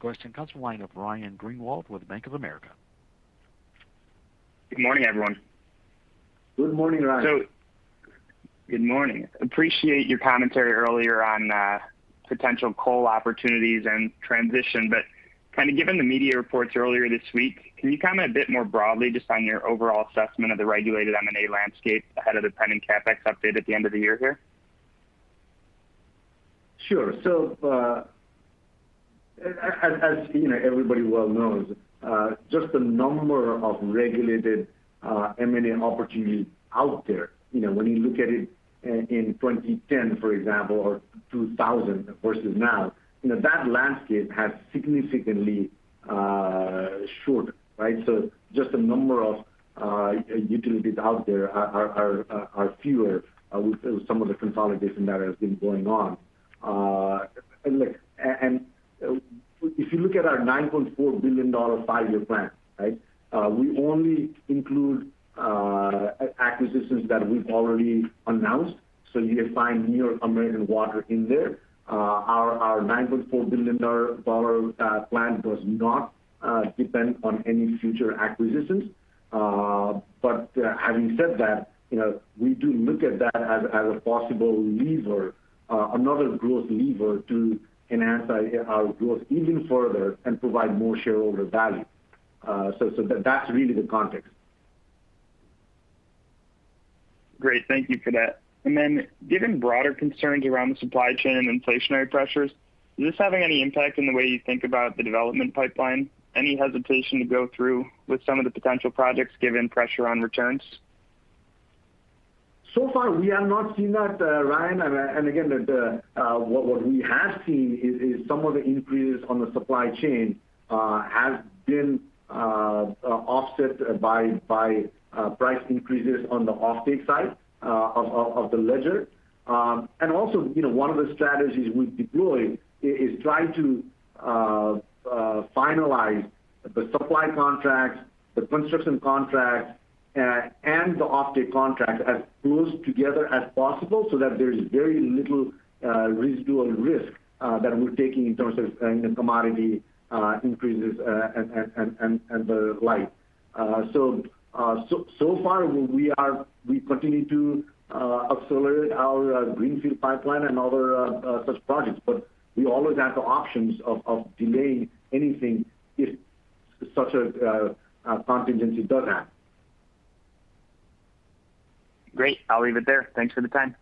in covered conductor, modernizing our switching and fusing technology, as well as then some of the operating cost expenses that are covered. It is roughly 50/50. Okay, thanks. I'll get back in the queue. Thanks, Nelson. Your next question comes from the line of Ryan Greenwald with Bank of America. Good morning, everyone. Good morning, Ryan. Good morning. Appreciate your commentary earlier on potential coal opportunities and transition. Kind of given the media reports earlier this week, can you comment a bit more broadly just on your overall assessment of the regulated M&A landscape ahead of the pending CapEx update at the end of the year here? Sure. As everybody well knows, just the number of regulated M&A opportunities out there. When you look at it in 2010, for example, or 2000 versus now, that landscape has significantly shortened. Right? Just the number of utilities out there are fewer with some of the consolidation that has been going on. Look, if you look at our $9.4 billion five-year plan, we only include acquisitions that we've already announced. You find New York American Water in there. Our $9.4 billion plan does not depend on any future acquisitions. Having said that, we do look at that as a possible lever, another growth lever to enhance our growth even further and provide more shareholder value. That's really the context. Great. Thank you for that. Given broader concerns around the supply chain and inflationary pressures, is this having any impact in the way you think about the development pipeline? Any hesitation to go through with some of the potential projects given pressure on returns? Far, we have not seen that, Ryan. Again, what we have seen is some of the increases on the supply chain have been offset by price increases on the off-take side of the ledger. Also one of the strategies we're deploying is trying to finalize the supply contracts, the construction contracts, and the off-take contracts as close together as possible, so that there is very little residual risk that we're taking in terms of commodity increases and the like. Far, we continue to accelerate our greenfield pipeline and other such projects. We always have the options of delaying anything if such a contingency does happen. Great. I'll leave it there. Thanks for the time.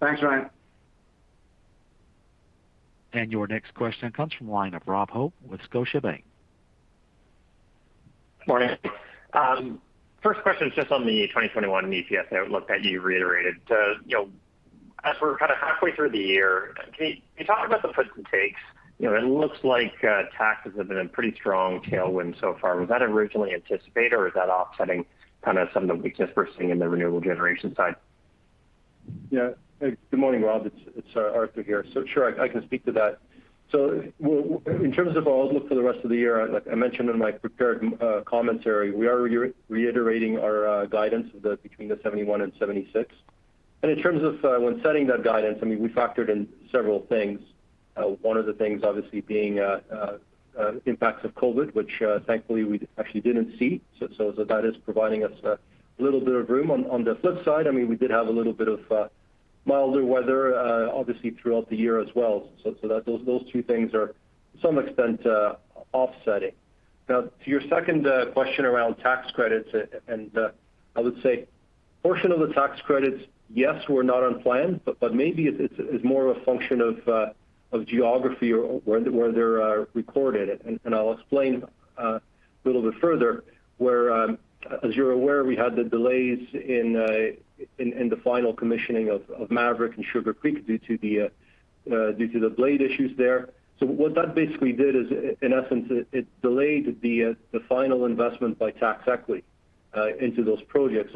Thanks, Ryan. Your next question comes from the line of Rob Hope with Scotiabank. Morning. First question is just on the 2021 EPS outlook that you reiterated. As we're kind of halfway through the year, can you talk about the puts and takes? It looks like taxes have been a pretty strong tailwind so far. Was that originally anticipated, or is that offsetting some of the weakness we're seeing in the renewable generation side? Good morning, Rob. It's Arthur here. Sure, I can speak to that. In terms of our outlook for the rest of the year, like I mentioned in my prepared commentary, we are reiterating our guidance between $71 and $76. In terms of when setting that guidance, we factored in several things. One of the things obviously being impacts of COVID, which, thankfully, we actually didn't see. That is providing us a little bit of room. On the flip side, we did have a little bit of milder weather obviously throughout the year as well. Those two things are to some extent offsetting. Now, to your second question around tax credits, I would say a portion of the tax credits, yes, were not on plan. Maybe it's more of a function of geography or where they're recorded. I'll explain a little bit further where, as you're aware, we had the delays in the final commissioning of Maverick and Sugar Creek due to the blade issues there. What that basically did is, in essence, it delayed the final investment by tax equity into those projects.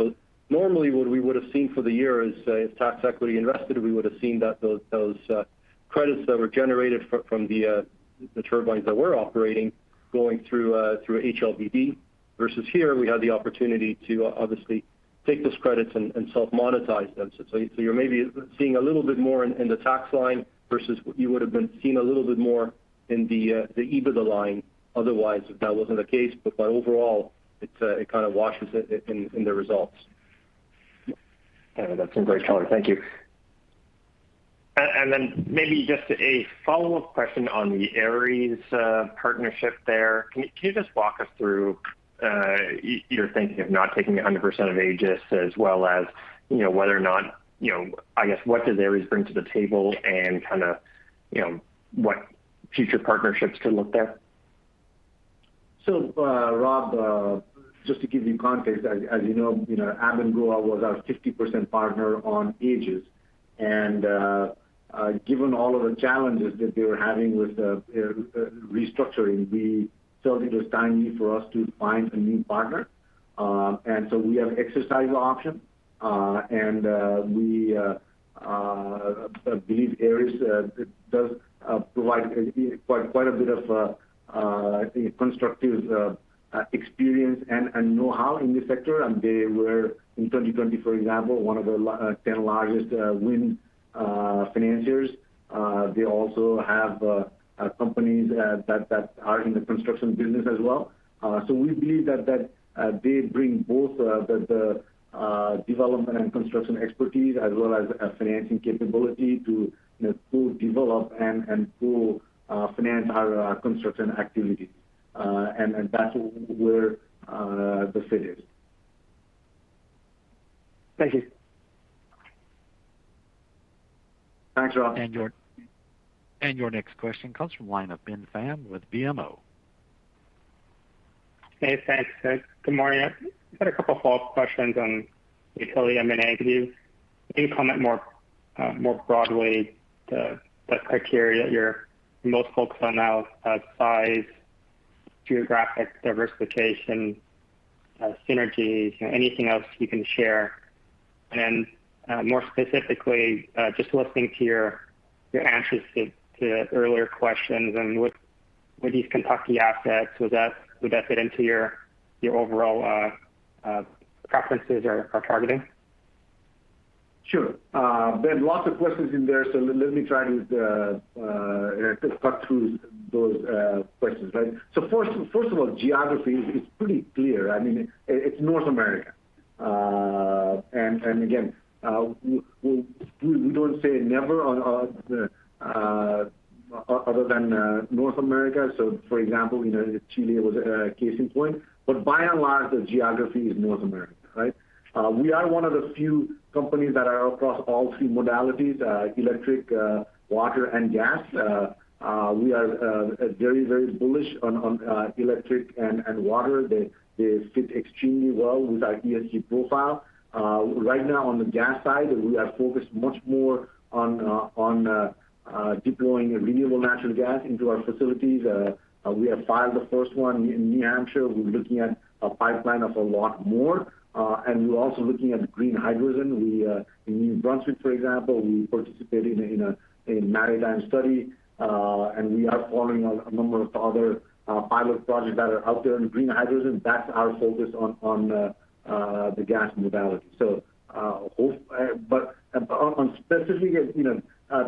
Normally, what we would've seen for the year is if tax equity invested, we would've seen those credits that were generated from the turbines that were operating going through HLBV. Versus here, we had the opportunity to obviously take those credits and self-monetize them. You're maybe seeing a little bit more in the tax line versus what you would've been seeing a little bit more in the EBITDA line, otherwise, if that wasn't the case. Overall, it kind of washes in the results. That's some great color. Thank you. Maybe just a follow-up question on the Ares partnership there. Can you just walk us through your thinking of not taking 100% of AAGES as well as I guess what does Ares bring to the table and what future partnerships could look like? Rob, just to give you context, as you know, Abengoa was our 50% partner on AAGES. Given all of the challenges that they were having with the restructuring, we felt it was timely for us to find a new partner. We have exercised the option. We believe Ares does provide quite a bit of constructive experience and know-how in this sector. They were, in 2020, for example, one of the 10 largest wind financiers. They also have companies that are in the construction business as well. We believe that they bring both the development and construction expertise as well as a financing capability to both develop and to finance our construction activity. That's where the fit is. Thank you. Thanks, Rob. Your next question comes from the line of Ben Pham with BMO. Hey, thanks. Good morning. I've got a couple of follow-up questions on the utility M&A. Can you comment more broadly the criteria you most focus on now, size, geographic diversification, synergies, anything else you can share? More specifically, just listening to your answers to earlier questions and with these Kentucky assets, would that fit into your overall preferences or targeting? Sure. Ben, lots of questions in there, let me try to talk through those questions. Right. First of all, geography is pretty clear. It's North America. Again, we don't say never on other than North America. For example, Chile was a case in point. By and large, the geography is North America, right? We are one of the few companies that are across all three modalities, electric, water, and gas. We are very bullish on electric and water. They fit extremely well with our ESG profile. Right now on the gas side, we are focused much more on deploying renewable natural gas into our facilities. We have filed the first one in New Hampshire. We're looking at a pipeline of a lot more, and we're also looking at green hydrogen. In New Brunswick, for example, we participated in a maritime study. We are forming a number of other pilot projects that are out there in green hydrogen. That's our focus on the gas modality. On specific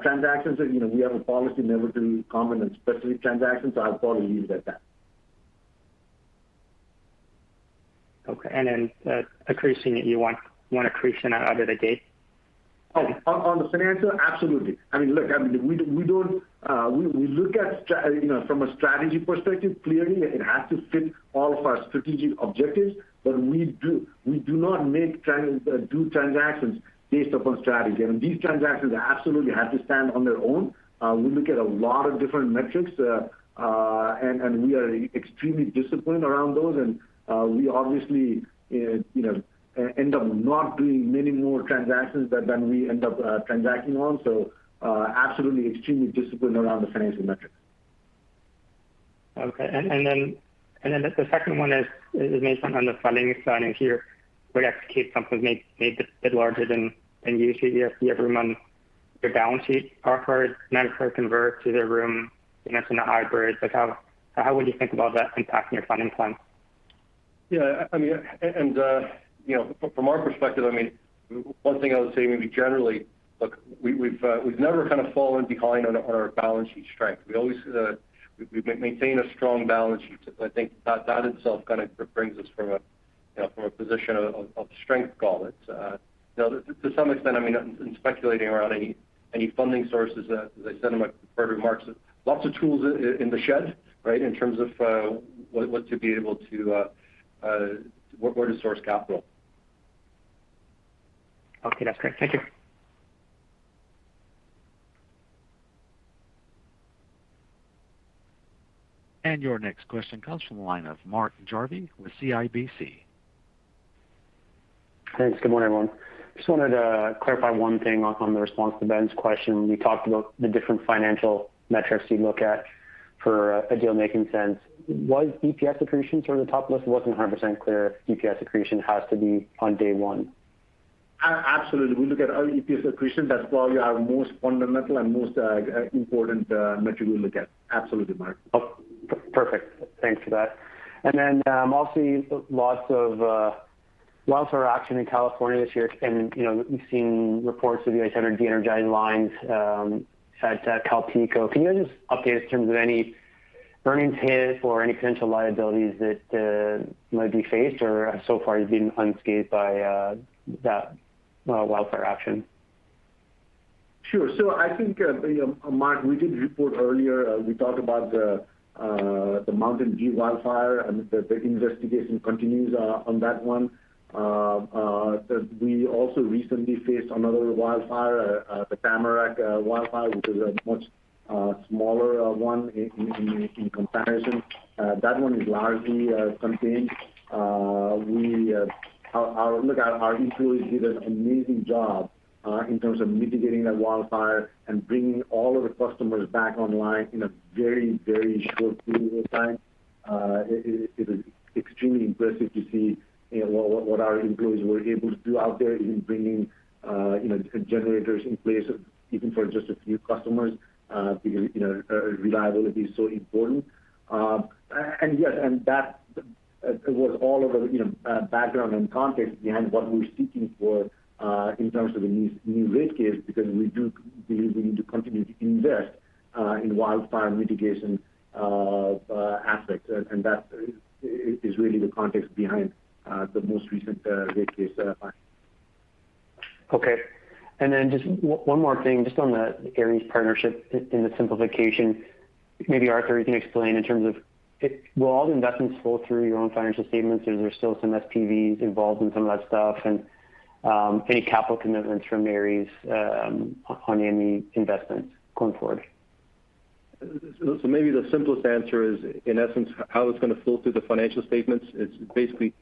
transactions, we have a policy never to comment on specific transactions, so I'll probably leave it at that. Okay, then accretion, you want accretion out of the gate? On the financial? Absolutely. Look, from a strategy perspective, clearly it has to fit all of our strategic objectives, we do not do transactions based upon strategy. These transactions absolutely have to stand on their own. We look at a lot of different metrics, we are extremely disciplined around those. We obviously end up not doing many more transactions than we end up transacting on. Absolutely extremely disciplined around the financial metrics. Okay. The second one is based on the funding side. Here would execute something maybe a bit larger than usually you see every month. Your balance sheets are hard, natural convert to the common, investing in hybrids. How would you think about that impacting your funding plan? Yeah. From our perspective, one thing I would say, maybe generally, look, we've never kind of fallen behind on our balance sheet strength. We've maintained a strong balance sheet. I think that itself kind of brings us from a position of strength call it. To some extent, in speculating around any funding sources, as I said in my prepared remarks, lots of tools in the shed, right, in terms of where to source capital. Okay. That's great. Thank you. Your next question comes from the line of Mark Jarvi with CIBC. Thanks. Good morning, everyone. Just wanted to clarify one thing on the response to Ben's question. When you talked about the different financial metrics you look at for a deal making sense, was EPS accretion sort of the top list? It wasn't 100% clear. EPS accretion has to be on day one. Absolutely. We look at our EPS accretion. That's why we are most fundamental and most important metric we look at. Absolutely, Mark. Oh, perfect. Thanks for that. Also, I'm also lots of wildfire action in California this year. We've seen reports of the energy lines at CalPeco. Can you just update us in terms of any earnings hit or any potential liabilities that might be faced or so far you've been unscathed by that wildfire action? Sure. I think, Mark, we did report earlier, we talked about the Mountain View wildfire and the investigation continues on that one. We also recently faced another wildfire, the Tamarack wildfire, which is a much smaller one in comparison. That one is largely contained. Look, our employees did an amazing job in terms of mitigating that wildfire and bringing all of the customers back online in a very short period of time. It is extremely impressive to see what our employees were able to do out there in bringing generators in place, even for just a few customers, because reliability is so important. That was all of our background and context behind what we're seeking for in terms of the new rate case, because we do believe we need to continue to invest in wildfire mitigation aspects. That is really the context behind the most recent rate case filing. Okay. Just one more thing, just on the Ares partnership in the simplification. Maybe, Arthur, you can explain in terms of, will all the investments flow through your own financial statements or are there still some SPVs involved in some of that stuff? Any capital commitments from Ares on any investments going forward? Maybe the simplest answer is, in essence, how it's going to flow through the financial statements. It's basically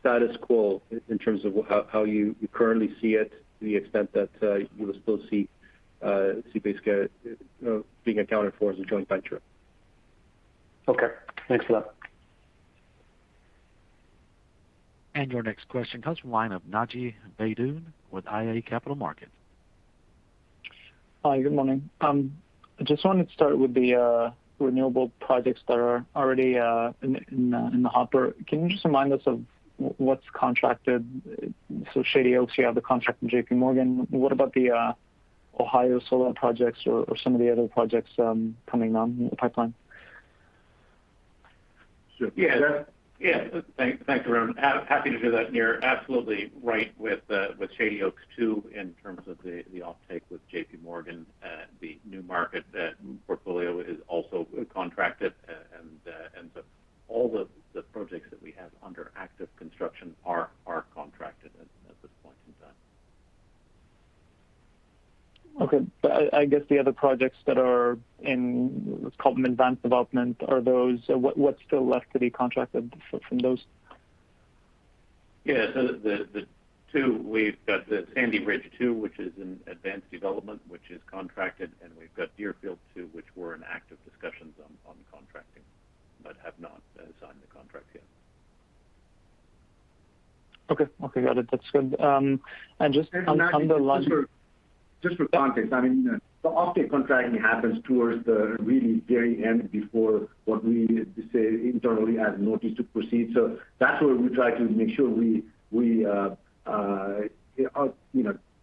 status quo in terms of how you currently see it, to the extent that you will still see AAGES being accounted for as a joint venture. Okay. Thanks for that. Your next question comes from the line of Naji Baydoun with iA Capital Markets. Hi, good morning. I just wanted to start with the renewable projects that are already in the hopper. Can you just remind us of what's contracted? Shady Oaks, you have the contract with JPMorgan. What about the Ohio solar projects or some of the other projects coming down the pipeline? Sure. Yeah. Thanks, Arun. Happy to do that. You're absolutely right with Shady Oaks, too, in terms of the offtake with JPMorgan. The New Market portfolio is also contracted. All the projects that we have under active construction are contracted at this point in time. Okay. I guess the other projects that are in, let's call them advanced development, what's still left to be contracted from those? The two, we've got the Sandy Ridge 2, which is in advanced development, which is contracted, and we've got Deerfield II, which we're in active discussions on contracting but have not signed the contract yet. Okay. Got it. That's good. Just for context, the offtake contracting happens towards the really very end before what we say internally as notice to proceed. That's where we try to make sure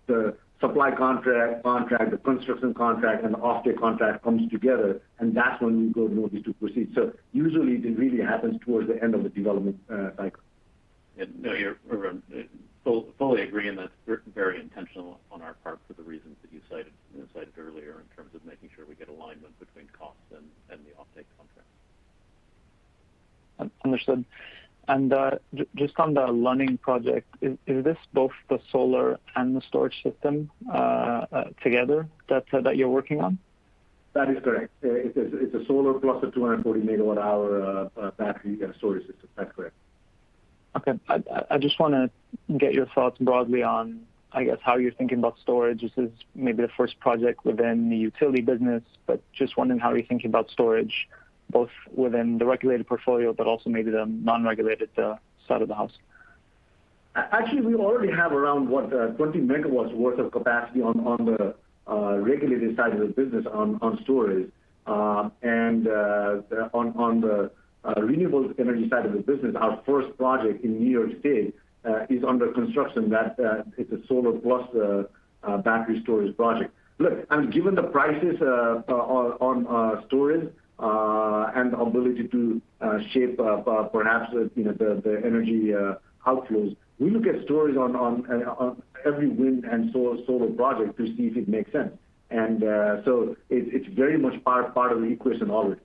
the supply contract, the construction contract, and the offtake contract comes together, and that's when we give notice to proceed. Usually, it really happens towards the end of the development cycle. No, fully agree, that's very intentional on our part for the reasons that you cited earlier in terms of making sure we get alignment between costs and the offtake contract. Understood. Just on the Luning project, is this both the solar and the storage system together that you're working on? That is correct. It's a solar plus a 240 MWh battery storage system. That's correct. Okay. I just want to get your thoughts broadly on, I guess, how you're thinking about storage. This is maybe the first project within the utility business, but just wondering how you're thinking about storage, both within the regulated portfolio, but also maybe the non-regulated side of the house. Actually, we already have around, what? 20 MW worth of capacity on the regulated side of the business on storage. On the renewable energy side of the business, our first project in New York State is under construction, that it's a solar plus battery storage project. Look, given the prices on storage, and ability to shape up perhaps the energy outflows, we look at storage on every wind and solar project to see if it makes sense. It's very much part of the equation always.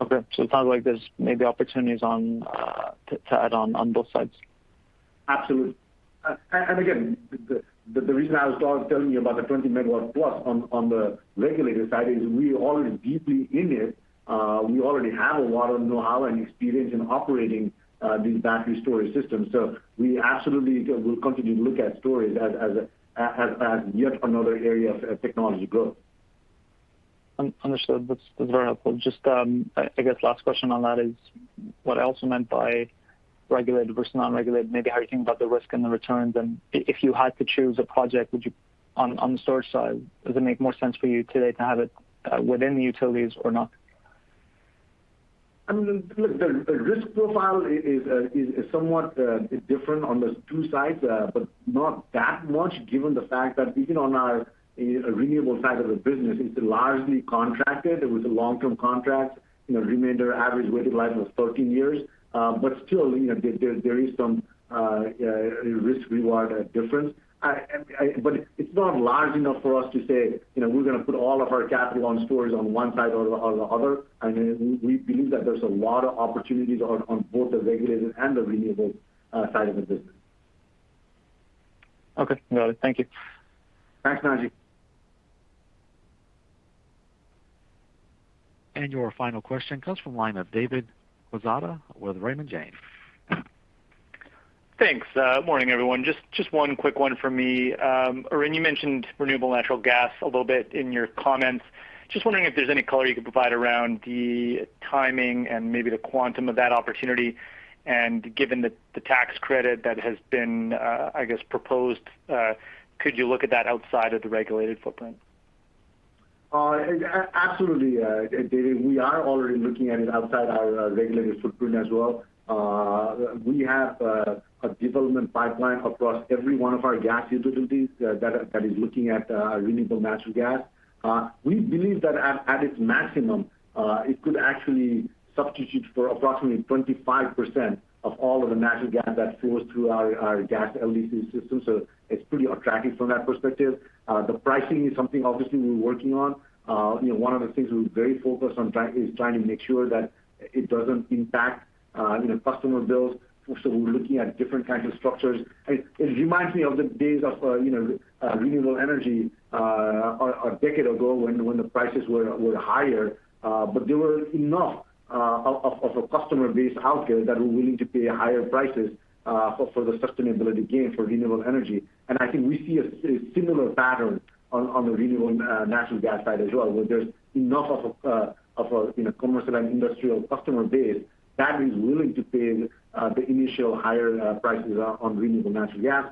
Okay. It sounds like there's maybe opportunities to add on both sides. Absolutely. The reason I was telling you about the 20 MW [inaudible] on the regulated side is we're already deeply in it. We already have a lot of know-how and experience in operating these battery storage systems. We absolutely will continue to look at storage as yet another area of technology growth. Understood. That's very helpful. Just, I guess last question on that is what I also meant by regulated versus non-regulated, maybe how you think about the risk and the returns. If you had to choose a project on the storage side, does it make more sense for you today to have it within the utilities or not? Look, the risk profile is somewhat different on the two sides but not that much given the fact that even on our renewable side of the business, it's largely contracted. It was a long-term contract, remainder average weighted life of 13 years. Still, there is some risk-reward difference. It's not large enough for us to say we're going to put all of our capital on storage on one side or the other. We believe that there's a lot of opportunities on both the regulated and the renewable side of the business. Okay. Got it. Thank you. Thanks, Naji. Your final question comes from the line of David Quezada with Raymond James. Thanks. Morning, everyone. Just one quick one from me. Arun, you mentioned renewable natural gas a little bit in your comments. Just wondering if there's any color you could provide around the timing and maybe the quantum of that opportunity, and given the tax credit that has been, I guess, proposed, could you look at that outside of the regulated footprint? Absolutely, David. We are already looking at it outside our regulated footprint as well. We have a development pipeline across every one of our gas utilities that is looking at renewable natural gas. We believe that at its maximum, it could actually substitute for approximately 25% of all of the natural gas that flows through our gas LDC system. It's pretty attractive from that perspective. The pricing is something obviously we're working on. One of the things we're very focused on is trying to make sure that it doesn't impact customer bills. We're looking at different kinds of structures. It reminds me of the days of renewable energy a decade ago when the prices were higher. There were enough of a customer base out there that were willing to pay higher prices for the sustainability gain for renewable energy. I think we see a similar pattern on the renewable natural gas side as well, where there's enough of a commercial and industrial customer base that is willing to pay the initial higher prices on renewable natural gas.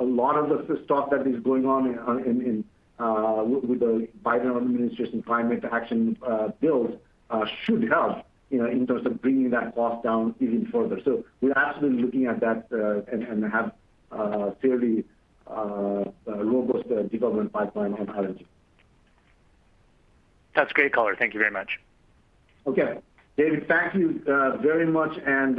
A lot of the stuff that is going on with the Biden administration climate action bills should help in terms of bringing that cost down even further. We're absolutely looking at that and have a fairly robust development pipeline on that energy. That's great color. Thank you very much. Okay. David, thank you very much, and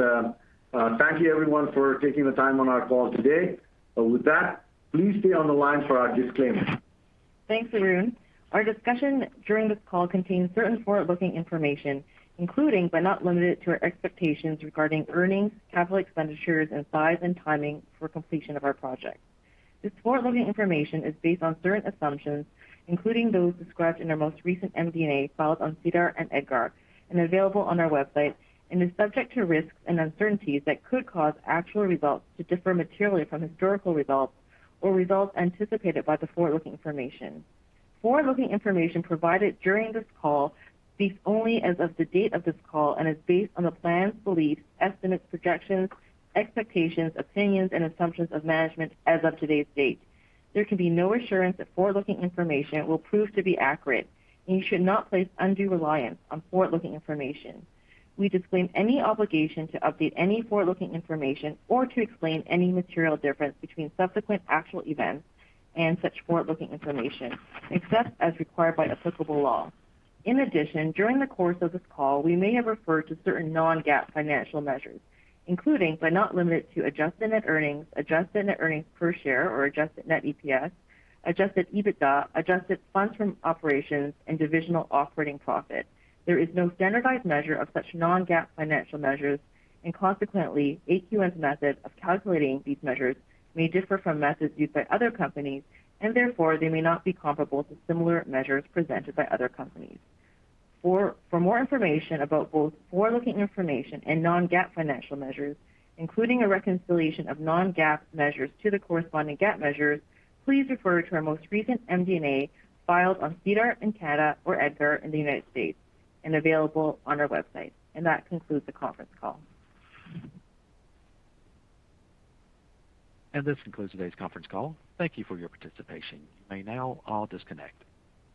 thank you everyone for taking the time on our call today. With that, please stay on the line for our disclaimer. Thanks, Arun. Our discussion during this call contains certain forward-looking information, including, but not limited to, our expectations regarding earnings, capital expenditures, and size and timing for completion of our project. This forward-looking information is based on certain assumptions, including those described in our most recent MD&A filed on SEDAR and EDGAR and available on our website, and is subject to risks and uncertainties that could cause actual results to differ materially from historical results or results anticipated by the forward-looking information. Forward-looking information provided during this call speaks only as of the date of this call and is based on the plans, beliefs, estimates, projections, expectations, opinions, and assumptions of management as of today's date. There can be no assurance that forward-looking information will prove to be accurate, and you should not place undue reliance on forward-looking information. We disclaim any obligation to update any forward-looking information or to explain any material difference between subsequent actual events and such forward-looking information, except as required by applicable law. In addition, during the course of this call, we may have referred to certain non-GAAP financial measures, including, but not limited to adjusted net earnings, adjusted net earnings per share or adjusted net EPS, adjusted EBITDA, adjusted funds from operations, and divisional operating profit. There is no standardized measure of such non-GAAP financial measures, and consequently, AQN's method of calculating these measures may differ from methods used by other companies, and therefore, they may not be comparable to similar measures presented by other companies. For more information about both forward-looking information and non-GAAP financial measures, including a reconciliation of non-GAAP measures to the corresponding GAAP measures, please refer to our most recent MD&A filed on SEDAR in Canada or EDGAR in the United States and available on our website. That concludes the conference call. This concludes today's conference call. Thank you for your participation. You may now all disconnect.